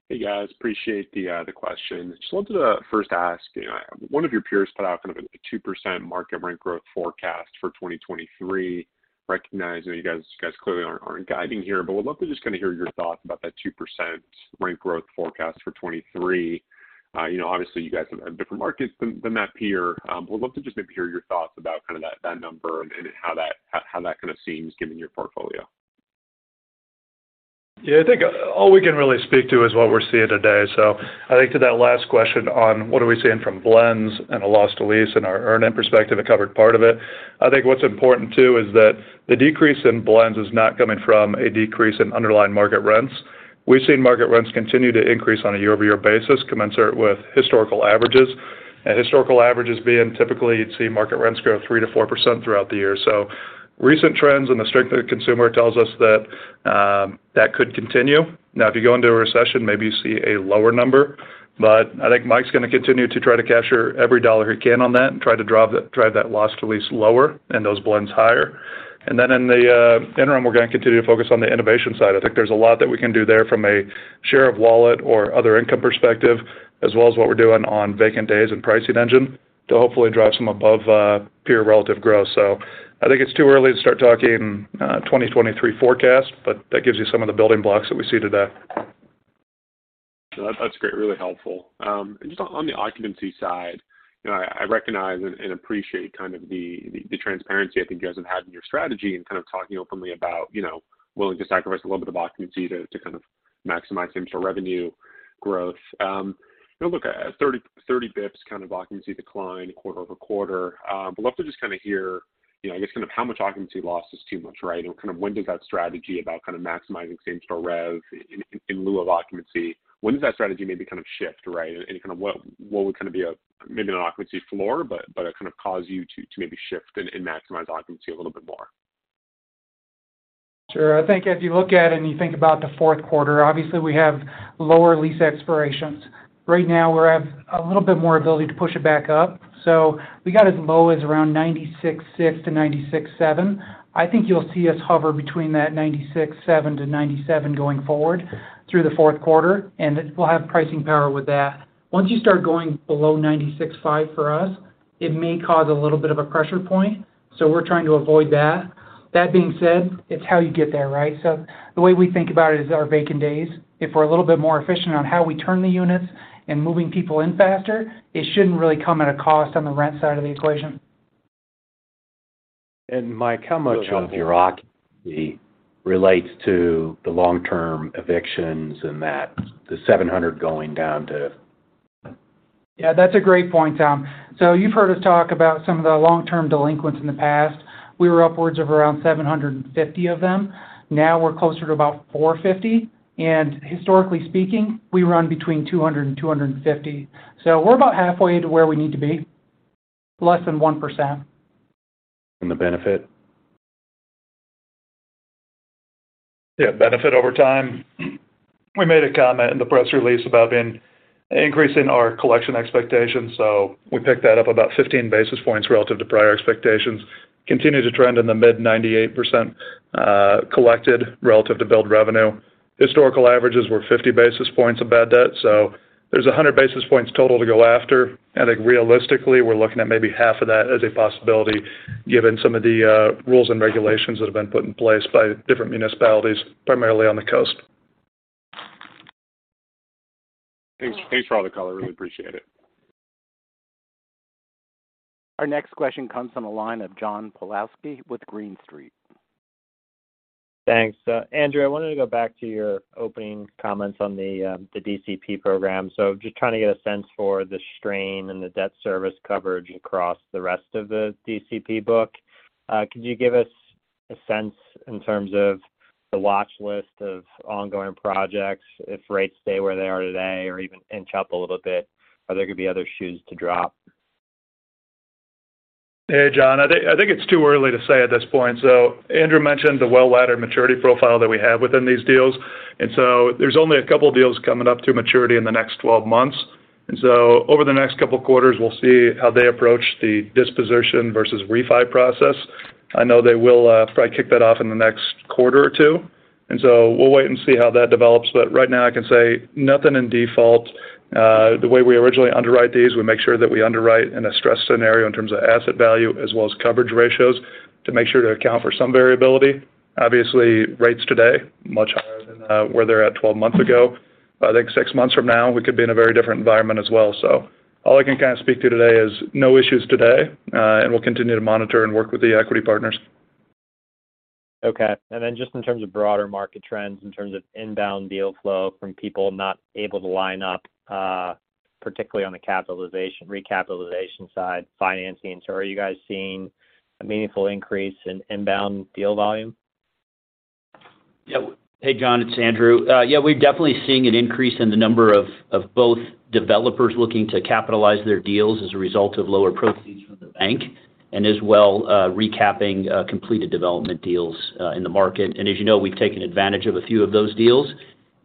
Hey, guys. Appreciate the question. Just wanted to first ask, you know, one of your peers put out kind of a 2% market rent growth forecast for 2023. Recognizing you guys clearly aren't guiding here, but would love to just kinda hear your thoughts about that 2% rent growth forecast for 2023. You know, obviously, you guys have different markets than that peer. Would love to just maybe hear your thoughts about kind of that number and how that kind of seems given your portfolio. I think all we can really speak to is what we're seeing today. I think to that last question on what are we seeing from blends and a loss to lease and our earn in perspective, it covered part of it. I think what's important too is that the decrease in blends is not coming from a decrease in underlying market rents. We've seen market rents continue to increase on a year-over-year basis, commensurate with historical averages. Historical averages being typically you'd see market rents grow 3%-4% throughout the year. Recent trends and the strength of the consumer tells us that that could continue. Now, if you go into a recession, maybe you see a lower number, but I think Mike's gonna continue to try to capture every dollar he can on that and try to drive that loss to lease lower and those blends higher. In the interim, we're gonna continue to focus on the innovation side. I think there's a lot that we can do there from a share of wallet or other income perspective, as well as what we're doing on vacant days and pricing engine to hopefully drive some above peer relative growth. I think it's too early to start talking 2023 forecast, but that gives you some of the building blocks that we see today. No, that's great. Really helpful. Just on the occupancy side, you know, I recognize and appreciate kind of the transparency I think you guys have had in your strategy in kind of talking openly about, you know, willing to sacrifice a little bit of occupancy to kind of maximize same store revenue growth. You know, look at 30 basis points kind of occupancy decline quarter-over-quarter. Would love to just kind of hear, you know, I guess kind of how much occupancy loss is too much, right? Or kind of when does that strategy about kind of maximizing same store rev in lieu of occupancy, when does that strategy maybe kind of shift, right? What would kind of be a maybe not an occupancy floor, but it kind of cause you to maybe shift and maximize occupancy a little bit more? Sure. I think if you look at it and you think about the fourth quarter, obviously we have lower lease expirations. Right now we have a little bit more ability to push it back up. We got as low as around 96.6%-96.7%. I think you'll see us hover between that 96.7%-97% going forward through the fourth quarter, and we'll have pricing power with that. Once you start going below 96.5% for us, it may cause a little bit of a pressure point, so we're trying to avoid that. That being said, it's how you get there, right? The way we think about it is our vacant days. If we're a little bit more efficient on how we turn the units and moving people in faster, it shouldn't really come at a cost on the rent side of the equation. Mike, how much of your occupancy relates to the long-term evictions and that, the 700 going down to? Yeah, that's a great point, Tom. You've heard us talk about some of the long-term delinquents in the past. We were upwards of around 750 of them. Now we're closer to about 450. Historically speaking, we run between 200 and 250. We're about halfway to where we need to be, less than 1%. The benefit? Yeah, benefit over time. We made a comment in the press release about an increase in our collection expectations, so we picked that up about 15 basis points relative to prior expectations. Continue to trend in the mid 98%, collected relative to billed revenue. Historical averages were 50 basis points of bad debt, so there's 100 basis points total to go after. I think realistically, we're looking at maybe half of that as a possibility given some of the rules and regulations that have been put in place by different municipalities, primarily on the coast. Thanks. Thanks for all the color. Really appreciate it. Our next question comes from the line of John Pawlowski with Green Street. Thanks. Andrew, I wanted to go back to your opening comments on the DCP program. Just trying to get a sense for the strain and the debt service coverage across the rest of the DCP book. Could you give us a sense in terms of the watch list of ongoing projects if rates stay where they are today or even inch up a little bit, are there gonna be other shoes to drop? Hey, John. I think it's too early to say at this point. Andrew mentioned the well-laddered maturity profile that we have within these deals. There's only a couple of deals coming up to maturity in the next 12 months. Over the next couple of quarters, we'll see how they approach the disposition versus refi process. I know they will probably kick that off in the next quarter or two, and so we'll wait and see how that develops. Right now I can say nothing in default. The way we originally underwrite these, we make sure that we underwrite in a stress scenario in terms of asset value as well as coverage ratios to make sure to account for some variability. Obviously, rates today much higher than where they're at 12 months ago. I think six months from now, we could be in a very different environment as well. All I can kind of speak to today is no issues today, and we'll continue to monitor and work with the equity partners. Okay. Just in terms of broader market trends, in terms of inbound deal flow from people not able to line up, particularly on the recapitalization side, financing. Are you guys seeing a meaningful increase in inbound deal volume? Yeah. Hey, John, it's Andrew. Yeah, we're definitely seeing an increase in the number of both developers looking to capitalize their deals as a result of lower proceeds from the bank and as well recapping completed development deals in the market. As you know, we've taken advantage of a few of those deals.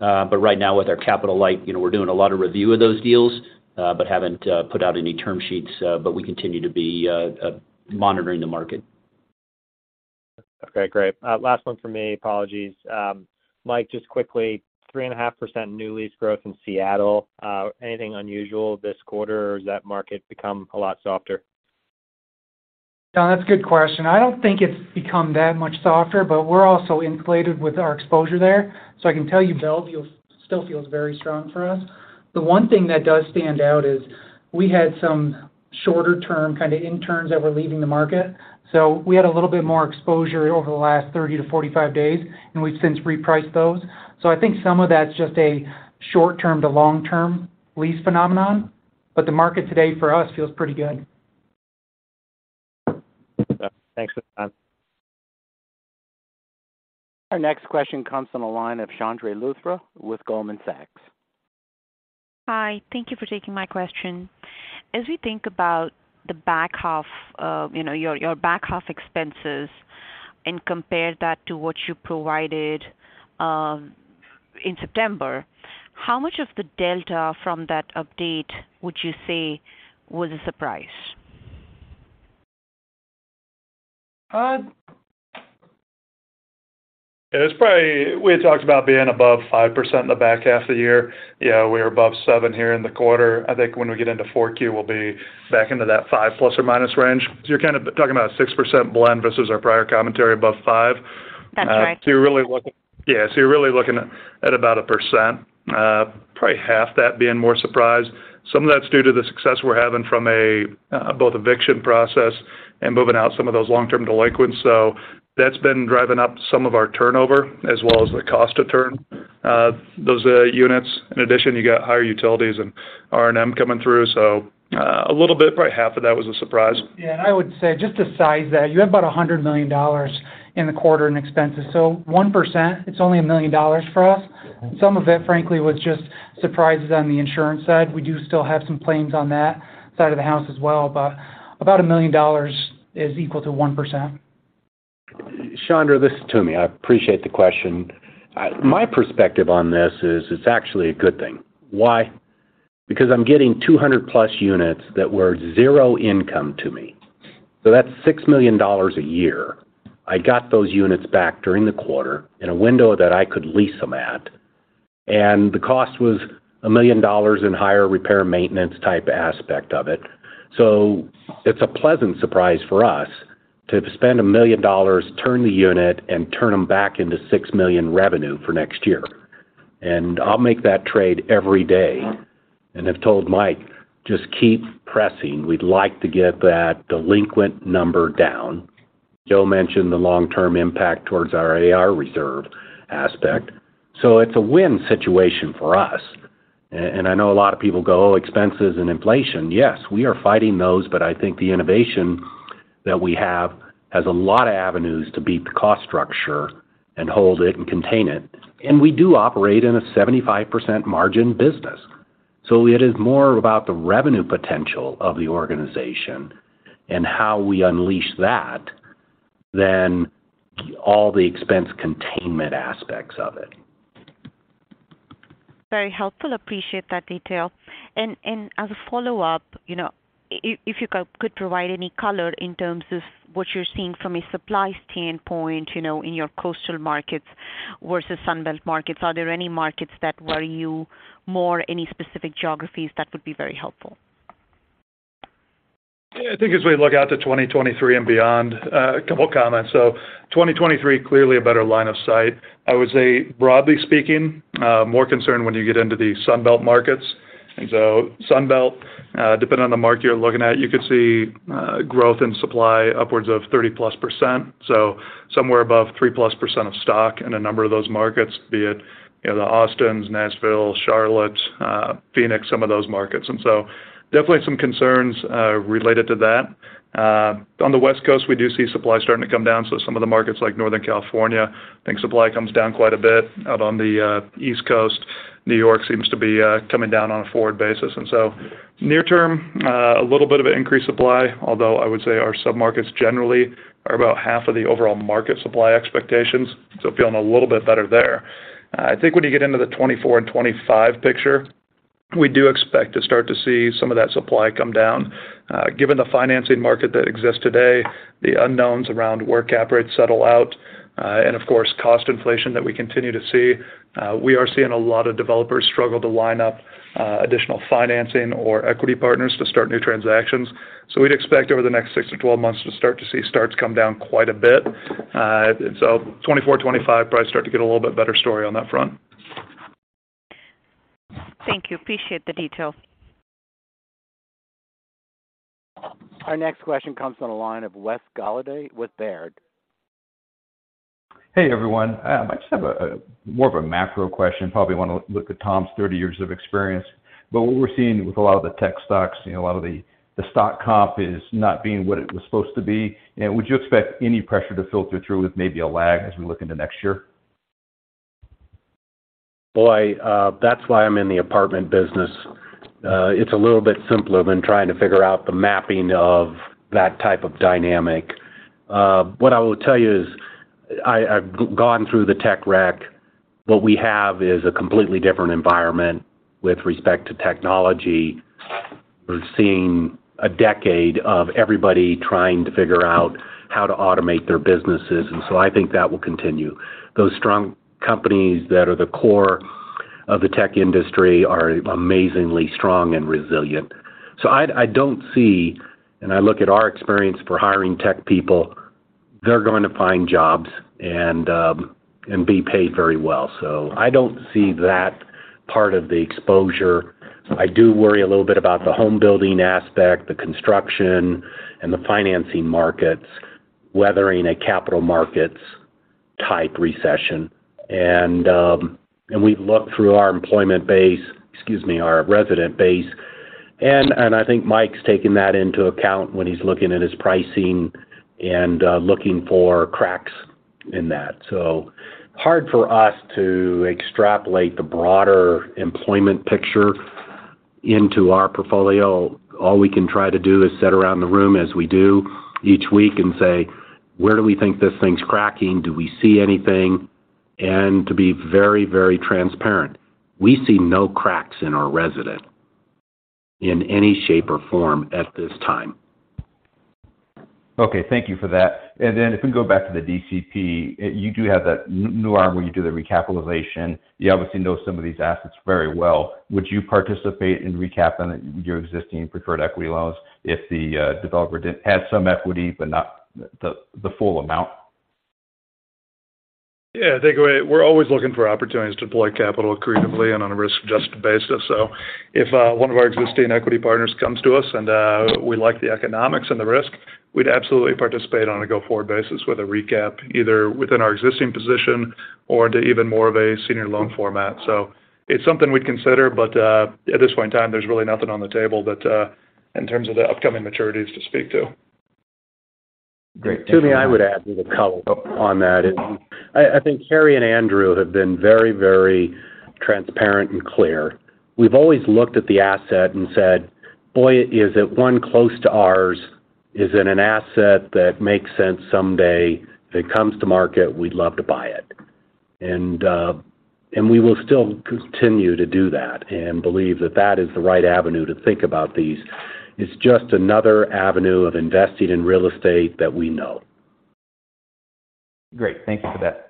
Right now with our capital light, you know, we're doing a lot of review of those deals, but haven't put out any term sheets. We continue to be monitoring the market. Okay, great. Last one for me. Apologies. Mike, just quickly, 3.5% new lease growth in Seattle, anything unusual this quarter or has that market become a lot softer? John, that's a good question. I don't think it's become that much softer, but we're also inflated with our exposure there. I can tell you Bellevue still feels very strong for us. The one thing that does stand out is we had some shorter term kind of interns that were leaving the market. We had a little bit more exposure over the last 30-45 days, and we've since repriced those. I think some of that's just a short-term to long-term lease phenomenon. The market today for us feels pretty good. Thanks for the time. Our next question comes from the line of Chandni Luthra with Goldman Sachs. Hi. Thank you for taking my question. As we think about the back half you know, your back half expenses and compare that to what you provided in September, how much of the delta from that update would you say was a surprise? It was probably we had talked about being above 5% in the back half of the year. Yeah, we were above 7% here in the quarter. I think when we get into 4Q, we'll be back into that 5%± range. You're kind of talking about 6% blend versus our prior commentary above 5%. That's right. You're really looking at about 1%, probably half that being more surprise. Some of that's due to the success we're having from both eviction process and moving out some of those long-term delinquents. That's been driving up some of our turnover as well as the cost to turn those units. In addition, you got higher utilities and R&M coming through. A little bit, probably half of that was a surprise. Yeah. I would say just to size that, you have about $100 million in the quarter in expenses. One percent, it's only $1 million for us. Some of it, frankly, was just surprises on the insurance side. We do still have some claims on that side of the house as well, but $1 million is equal to 1%. Chandni, this is Toomey. I appreciate the question. My perspective on this is it's actually a good thing. Why? Because I'm getting 200+ units that were zero income to me. That's $6 million a year. I got those units back during the quarter in a window that I could lease them at, and the cost was $1 million in higher repairs and maintenance type aspect of it. It's a pleasant surprise for us to spend $1 million, turn the unit, and turn them back into $6 million revenue for next year. I'll make that trade every day. I've told Mike, just keep pressing. We'd like to get that delinquent number down. Joe mentioned the long-term impact towards our AR reserve aspect. It's a win situation for us. I know a lot of people go, oh, expenses and inflation. Yes, we are fighting those, but I think the innovation that we have has a lot of avenues to beat the cost structure and hold it and contain it. We do operate in a 75% margin business. It is more about the revenue potential of the organization and how we unleash that than all the expense containment aspects of it. Very helpful. Appreciate that detail. As a follow-up, you know, if you could provide any color in terms of what you're seeing from a supply standpoint, you know, in your coastal markets versus Sun Belt markets. Are there any markets that worry you more, any specific geographies? That would be very helpful. I think as we look out to 2023 and beyond, a couple of comments. Twenty twenty-three, clearly a better line of sight. I would say, broadly speaking, more concerned when you get into the Sun Belt markets. Sun Belt, depending on the market you're looking at, you could see growth in supply upwards of 30+%. Somewhere above 3%+ of stock in a number of those markets, be it, you know, the Austins, Nashville, Charlotte, Phoenix, some of those markets. Definitely some concerns related to that. On the West Coast, we do see supply starting to come down. Some of the markets like Northern California, I think supply comes down quite a bit. Out on the East Coast, New York seems to be coming down on a forward basis. Near term, a little bit of an increased supply, although I would say our submarkets generally are about half of the overall market supply expectations. Feeling a little bit better there. I think when you get into the 2024 and 2025 picture, we do expect to start to see some of that supply come down. Given the financing market that exists today, the unknowns around where cap rates settle out, and of course, cost inflation that we continue to see, we are seeing a lot of developers struggle to line up additional financing or equity partners to start new transactions. We'd expect over the next six to 12 months to start to see starts come down quite a bit. 2024, 2025 probably start to get a little bit better story on that front. Thank you. Appreciate the detail. Our next question comes from the line of Wes Golladay with Baird. Hey, everyone. I just have a more of a macro question. Probably wanna look at Tom's 30 years of experience. What we're seeing with a lot of the tech stocks, you know, a lot of the stock comp is not being what it was supposed to be. Would you expect any pressure to filter through with maybe a lag as we look into next year? Boy, that's why I'm in the apartment business. It's a little bit simpler than trying to figure out the mapping of that type of dynamic. What I will tell you is I've gone through the tech wreck. What we have is a completely different environment with respect to technology. We're seeing a decade of everybody trying to figure out how to automate their businesses, and so I think that will continue. Those strong companies that are the core of the tech industry are amazingly strong and resilient. I don't see, and I look at our experience for hiring tech people, they're going to find jobs and be paid very well. So I don't see that part of the exposure. I do worry a little bit about the home building aspect, the construction and the financing markets, weathering a capital markets type recession. We've looked through our employment base, excuse me, our resident base, and I think Mike's taken that into account when he's looking at his pricing and looking for cracks in that. Hard for us to extrapolate the broader employment picture into our portfolio. All we can try to do is sit around the room as we do each week and say, "Where do we think this thing's cracking? Do we see anything?" To be very, very transparent. We see no cracks in our residents in any shape or form at this time. Okay. Thank you for that. If we go back to the DCP, you do have that new arm where you do the recapitalization. You obviously know some of these assets very well. Would you participate in recap on your existing preferred equity loans if the developer did have some equity but not the full amount? Yeah. I think we're always looking for opportunities to deploy capital creatively and on a risk-adjusted basis. If one of our existing equity partners comes to us and we like the economics and the risk, we'd absolutely participate on a go-forward basis with a recap, either within our existing position or to even more of a senior loan format. It's something we'd consider, but at this point in time, there's really nothing on the table that in terms of the upcoming maturities to speak to. Great. Thanks so much. To me, I would add a little color on that. I think Harry and Andrew have been very, very transparent and clear. We've always looked at the asset and said, "Boy, is it one close to ours? Is it an asset that makes sense someday? If it comes to market, we'd love to buy it." We will still continue to do that and believe that that is the right avenue to think about these. It's just another avenue of investing in real estate that we know. Great. Thank you for that.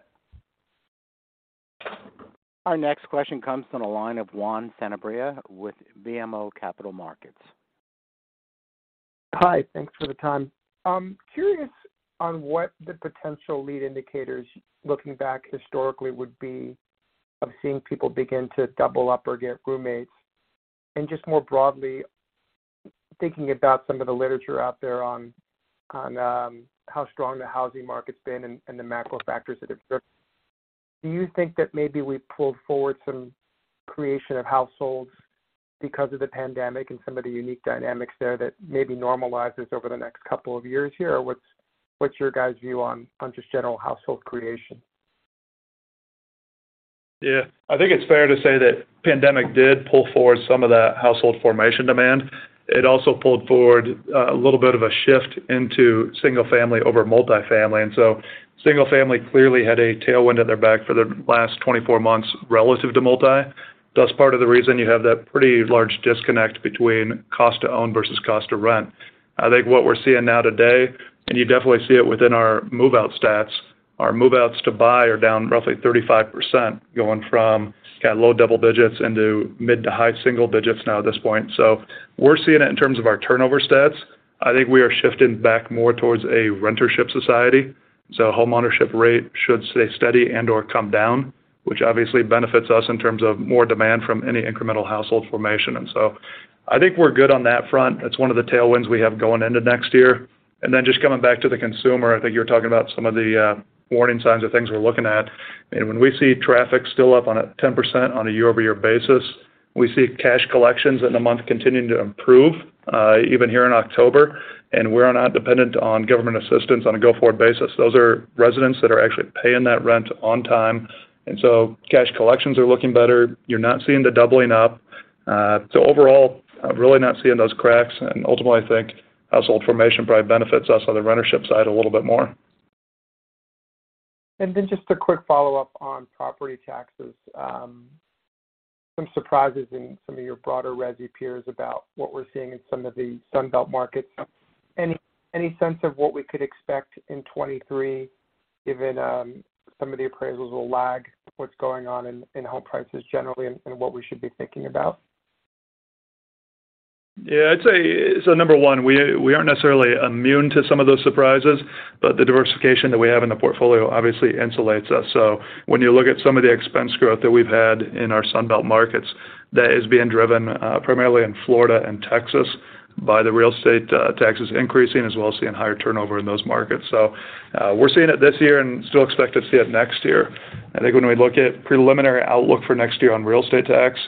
Our next question comes from the line of Juan Sanabria with BMO Capital Markets. Hi. Thanks for the time. I'm curious on what the potential lead indicators looking back historically would be of seeing people begin to double up or get roommates. Just more broadly, thinking about some of the literature out there on how strong the housing market's been and the macro factors that have driven. Do you think that maybe we pulled forward some creation of households because of the pandemic and some of the unique dynamics there that maybe normalizes over the next couple of years here? What's your guys view on just general household creation? Yeah. I think it's fair to say that pandemic did pull forward some of that household formation demand. It also pulled forward a little bit of a shift into single-family over multifamily. Single-family clearly had a tailwind at their back for the last 24 months relative to multi. That's part of the reason you have that pretty large disconnect between cost to own versus cost to rent. I think what we're seeing now today, and you definitely see it within our move-out stats, our move-outs to buy are down roughly 35%, going from kind of low double digits into mid to high single digits now at this point. We're seeing it in terms of our turnover stats. I think we are shifting back more towards a rentership society. Homeownership rate should stay steady and/or come down, which obviously benefits us in terms of more demand from any incremental household formation. I think we're good on that front. That's one of the tailwinds we have going into next year. Just coming back to the consumer, I think you're talking about some of the warning signs of things we're looking at. When we see traffic still up 10% on a year-over-year basis, we see cash collections in the month continuing to improve, even here in October, and we're not dependent on government assistance on a go-forward basis. Those are residents that are actually paying that rent on time. Cash collections are looking better. You're not seeing the doubling up. Overall, really not seeing those cracks. Ultimately, I think household formation probably benefits us on the rentership side a little bit more. Just a quick follow-up on property taxes. Some surprises in some of your broader resi peers about what we're seeing in some of the Sun Belt markets. Any sense of what we could expect in 2023 given some of the appraisals will lag what's going on in home prices generally and what we should be thinking about? Number one, we aren't necessarily immune to some of those surprises, but the diversification that we have in the portfolio obviously insulates us. When you look at some of the expense growth that we've had in our Sun Belt markets, that is being driven primarily in Florida and Texas by the real estate taxes increasing as well as seeing higher turnover in those markets. We're seeing it this year and still expect to see it next year. I think when we look at preliminary outlook for next year on real estate tax,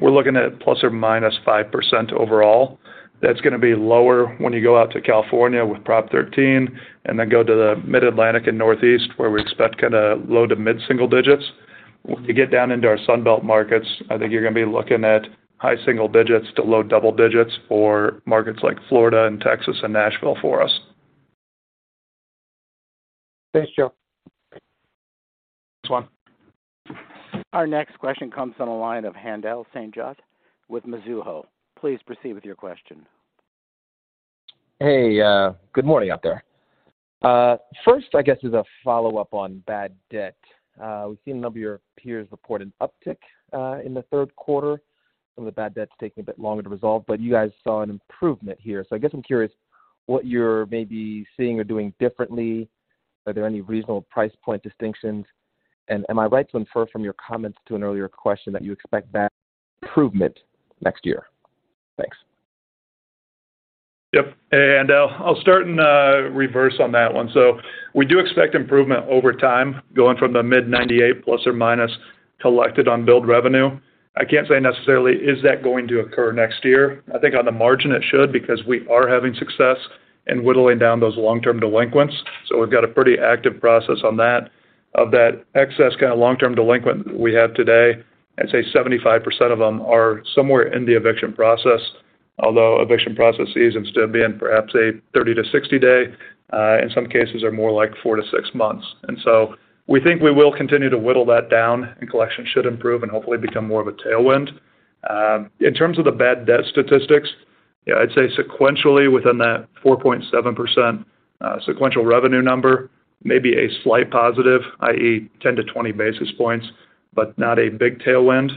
we're looking at ±5% overall. That's gonna be lower when you go out to California with Proposition 13 and then go to the Mid-Atlantic and Northeast, where we expect kind of low- to mid-single digits. When you get down into our Sun Belt markets, I think you're gonna be looking at high single digits to low double digits for markets like Florida and Texas and Nashville for us. Thanks, Joe. Thanks, Juan. Our next question comes from the line of Haendel St. Juste with Mizuho. Please proceed with your question. Hey, good morning out there. First, I guess, is a follow-up on bad debt. We've seen a number of your peers report an uptick in the third quarter from the bad debts taking a bit longer to resolve, but you guys saw an improvement here. I guess I'm curious what you're maybe seeing or doing differently. Are there any reasonable price point distinctions? Am I right to infer from your comments to an earlier question that you expect that improvement next year? Thanks. Yep. I'll start in reverse on that one. We do expect improvement over time, going from the mid-98%± collected on billed revenue. I can't say necessarily is that going to occur next year. I think on the margin it should because we are having success in whittling down those long-term delinquents. We've got a pretty active process on that. Of that excess kind of long-term delinquent we have today, I'd say 75% of them are somewhere in the eviction process, although eviction processes instead of being perhaps a 30- to 60-day, in some cases are more like four to six month. We think we will continue to whittle that down, and collections should improve and hopefully become more of a tailwind. In terms of the bad debt statistics, yeah, I'd say sequentially within that 4.7% sequential revenue number, maybe a slight positive, i.e., 10-20 basis points, but not a big tailwind.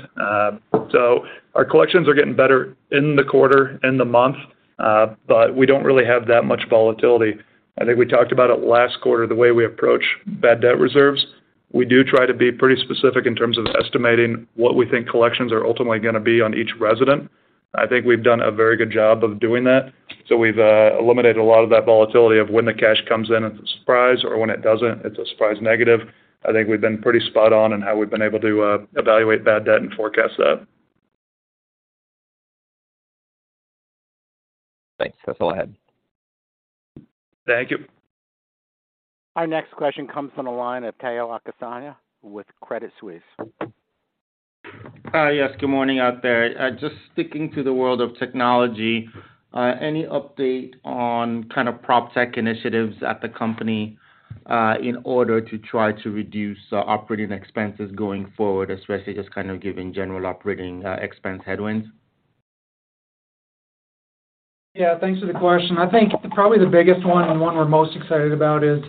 Our collections are getting better in the quarter, in the month, but we don't really have that much volatility. I think we talked about it last quarter, the way we approach bad debt reserves. We do try to be pretty specific in terms of estimating what we think collections are ultimately gonna be on each resident. I think we've done a very good job of doing that. We've eliminated a lot of that volatility of when the cash comes in, it's a surprise, or when it doesn't, it's a surprise negative. I think we've been pretty spot on in how we've been able to evaluate bad debt and forecast that. Thanks. That's all I had. Thank you. Our next question comes from the line of Tayo Okusanya with Credit Suisse. Hi. Yes, good morning out there. Just sticking to the world of technology, any update on kind of proptech initiatives at the company, in order to try to reduce operating expenses going forward, especially just kind of giving general operating expense headwinds? Yeah. Thanks for the question. I think probably the biggest one and one we're most excited about is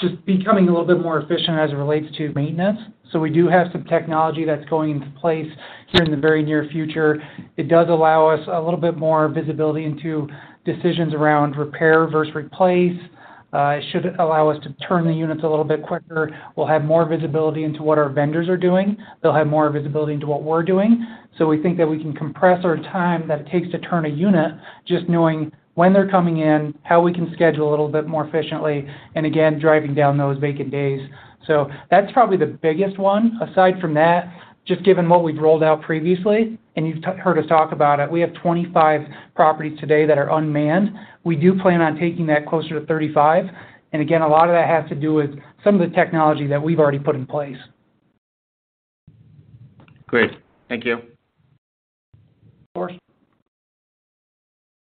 just becoming a little bit more efficient as it relates to maintenance. We do have some technology that's going into place here in the very near future. It does allow us a little bit more visibility into decisions around repair versus replace. It should allow us to turn the units a little bit quicker. We'll have more visibility into what our vendors are doing. They'll have more visibility into what we're doing. We think that we can compress our time that it takes to turn a unit just knowing when they're coming in, how we can schedule a little bit more efficiently, and again, driving down those vacant days. That's probably the biggest one. Aside from that, just given what we've rolled out previously, and you've heard us talk about it, we have 25 properties today that are unmanned. We do plan on taking that closer to 35. Again, a lot of that has to do with some of the technology that we've already put in place. Great. Thank you. Of course.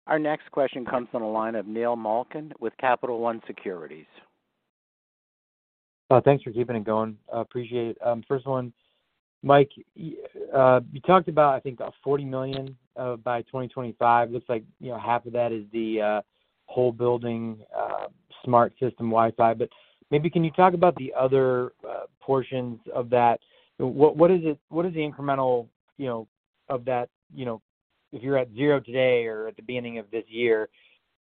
Our next question comes from the line of Neil Malkin with Capital One Securities. Thanks for keeping it going. I appreciate it. First one, Mike, you talked about, I think, $40 million by 2025. Looks like, you know, half of that is the whole building smart system Wi-Fi. But maybe can you talk about the other portions of that? What is the incremental, you know, of that? You know, if you're at zero today or at the beginning of this year,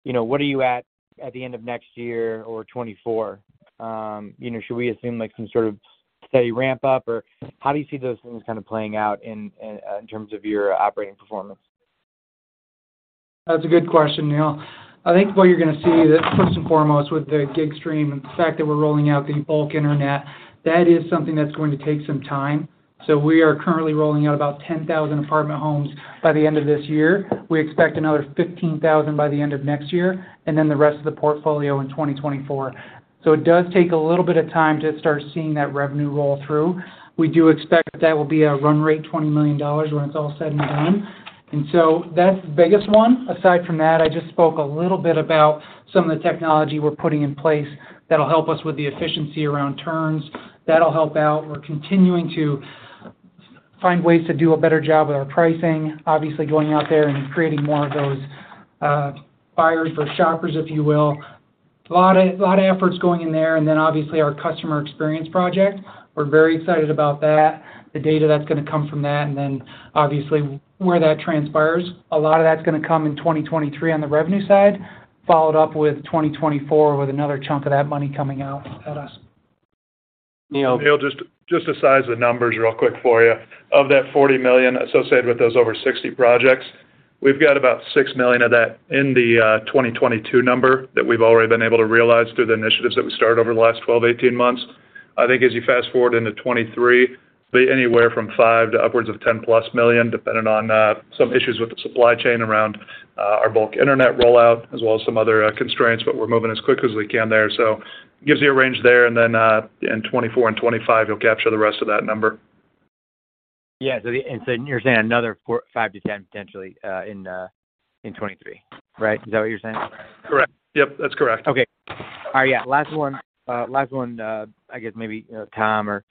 you know, what are you at the end of next year or 2024? You know, should we assume, like, some sort of steady ramp-up, or how do you see those things kind of playing out in terms of your operating performance? That's a good question, Neal. I think what you're gonna see is first and foremost with the GiGstreem and the fact that we're rolling out the bulk internet, that is something that's going to take some time. We are currently rolling out about 10,000 apartment homes by the end of this year. We expect another 15,000 by the end of next year, and then the rest of the portfolio in 2024. It does take a little bit of time to start seeing that revenue roll through. We do expect that will be a run rate, $20 million when it's all said and done. That's the biggest one. Aside from that, I just spoke a little bit about some of the technology we're putting in place that'll help us with the efficiency around turns. That'll help out. We're continuing to find ways to do a better job with our pricing. Obviously, going out there and creating more of those, buyers or shoppers, if you will. A lot of efforts going in there, and then obviously our customer experience project. We're very excited about that, the data that's gonna come from that, and then obviously where that transpires. A lot of that's gonna come in 2023 on the revenue side, followed up with 2024 with another chunk of that money coming out at us. Neil, just the size of the numbers real quick for you. Of that $40 million associated with those over 60 projects, we've got about $6 million of that in the 2022 number that we've already been able to realize through the initiatives that we started over the last 12, 18 months. I think as you fast-forward into 2023, be anywhere from $5 million to upwards of $10+ million, depending on some issues with the supply chain around our bulk internet rollout, as well as some other constraints, but we're moving as quick as we can there. Gives you a range there, and then in 2024 and 2025, you'll capture the rest of that number. Yeah. You're saying another four to five to 10 potentially in 2023, right? Is that what you're saying? Correct. Yep, that's correct. Okay. All right. Yeah. Last one, I guess maybe Tom or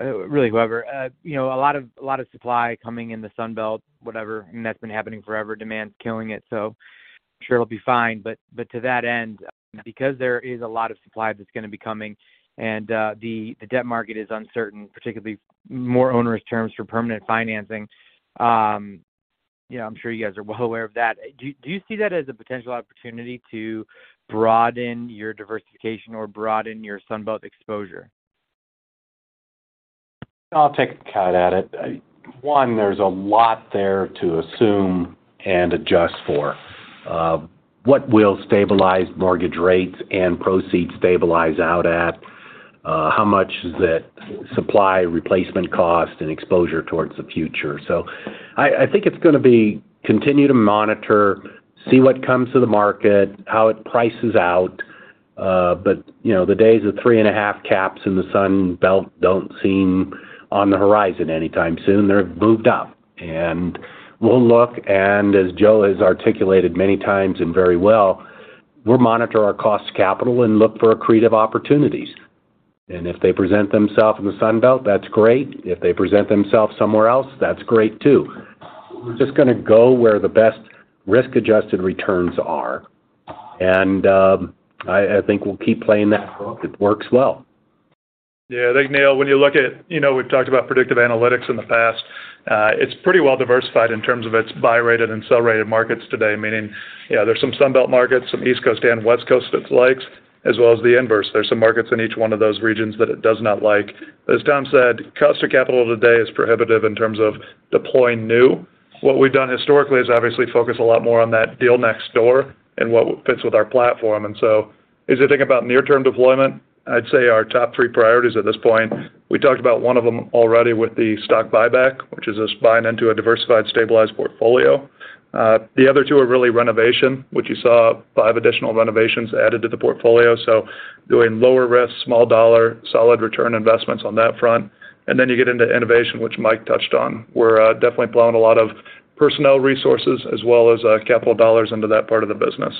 really whoever. You know, a lot of supply coming in the Sun Belt, whatever, and that's been happening forever. Demand's killing it, so I'm sure it'll be fine. But to that end, because there is a lot of supply that's gonna be coming and the debt market is uncertain, particularly more onerous terms for permanent financing, you know, I'm sure you guys are well aware of that. Do you see that as a potential opportunity to broaden your diversification or broaden your Sun Belt exposure? I'll take a cut at it. One, there's a lot there to assume and adjust for. What will stabilize mortgage rates and proceeds stabilize out at? How much is that supply replacement cost and exposure towards the future? So I think it's gonna be continue to monitor, see what comes to the market, how it prices out. You know, the days of 3.5 caps in the Sun Belt don't seem on the horizon anytime soon. They've moved up. We'll look, and as Joe has articulated many times and very well, we'll monitor our cost of capital and look for accretive opportunities. If they present themselves in the Sun Belt, that's great. If they present themselves somewhere else, that's great too. We're just gonna go where the best risk-adjusted returns are. I think we'll keep playing that book. It works well. Yeah. I think, Neil, when you look at, you know, we've talked about predictive analytics in the past. It's pretty well diversified in terms of its buy-rated and sell-rated markets today, meaning, yeah, there's some Sun Belt markets, some East Coast and West Coast it likes, as well as the inverse. There's some markets in each one of those regions that it does not like. But as Tom said, cost of capital today is prohibitive in terms of deploying new. What we've done historically is obviously focus a lot more on that deal next door and what fits with our platform. As you think about near-term deployment, I'd say our top three priorities at this point, we talked about one of them already with the stock buyback, which is us buying into a diversified, stabilized portfolio. The other two are really renovation, which you saw five additional renovations added to the portfolio. Doing lower risk, small dollar, solid return investments on that front. You get into innovation, which Mike touched on. We're definitely plowing a lot of personnel resources as well as capital dollars into that part of the business.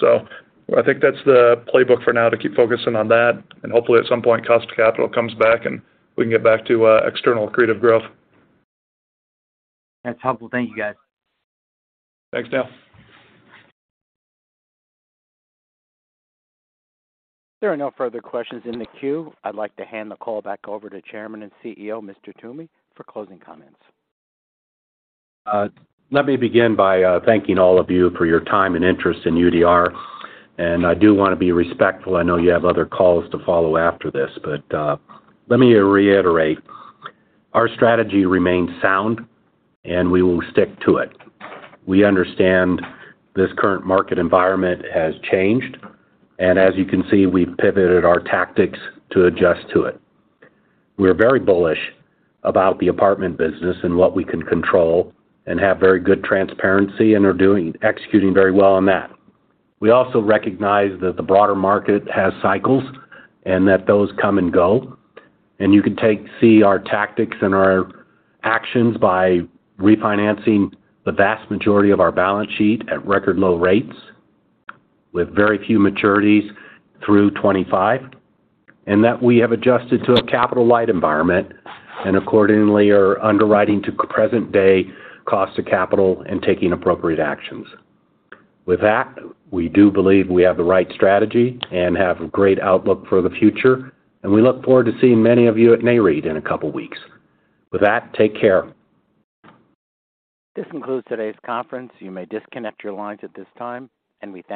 I think that's the playbook for now to keep focusing on that. Hopefully, at some point, cost of capital comes back, and we can get back to external accretive growth. That's helpful. Thank you, guys. Thanks Neil. There are no further questions in the queue. I'd like to hand the call back over to Chairman and CEO, Mr. Toomey, for closing comments. Let me begin by thanking all of you for your time and interest in UDR. I do wanna be respectful, I know you have other calls to follow after this. Let me reiterate, our strategy remains sound, and we will stick to it. We understand this current market environment has changed, and as you can see, we've pivoted our tactics to adjust to it. We're very bullish about the apartment business and what we can control and have very good transparency and are executing very well on that. We also recognize that the broader market has cycles and that those come and go. You can see our tactics and our actions by refinancing the vast majority of our balance sheet at record low rates with very few maturities through 25, and that we have adjusted to a capital-light environment and accordingly are underwriting to present-day cost of capital and taking appropriate actions. With that, we do believe we have the right strategy and have a great outlook for the future, and we look forward to seeing many of you at NAREIT in a couple weeks. With that, take care. This concludes today's conference. You may disconnect your lines at this time, and we thank you.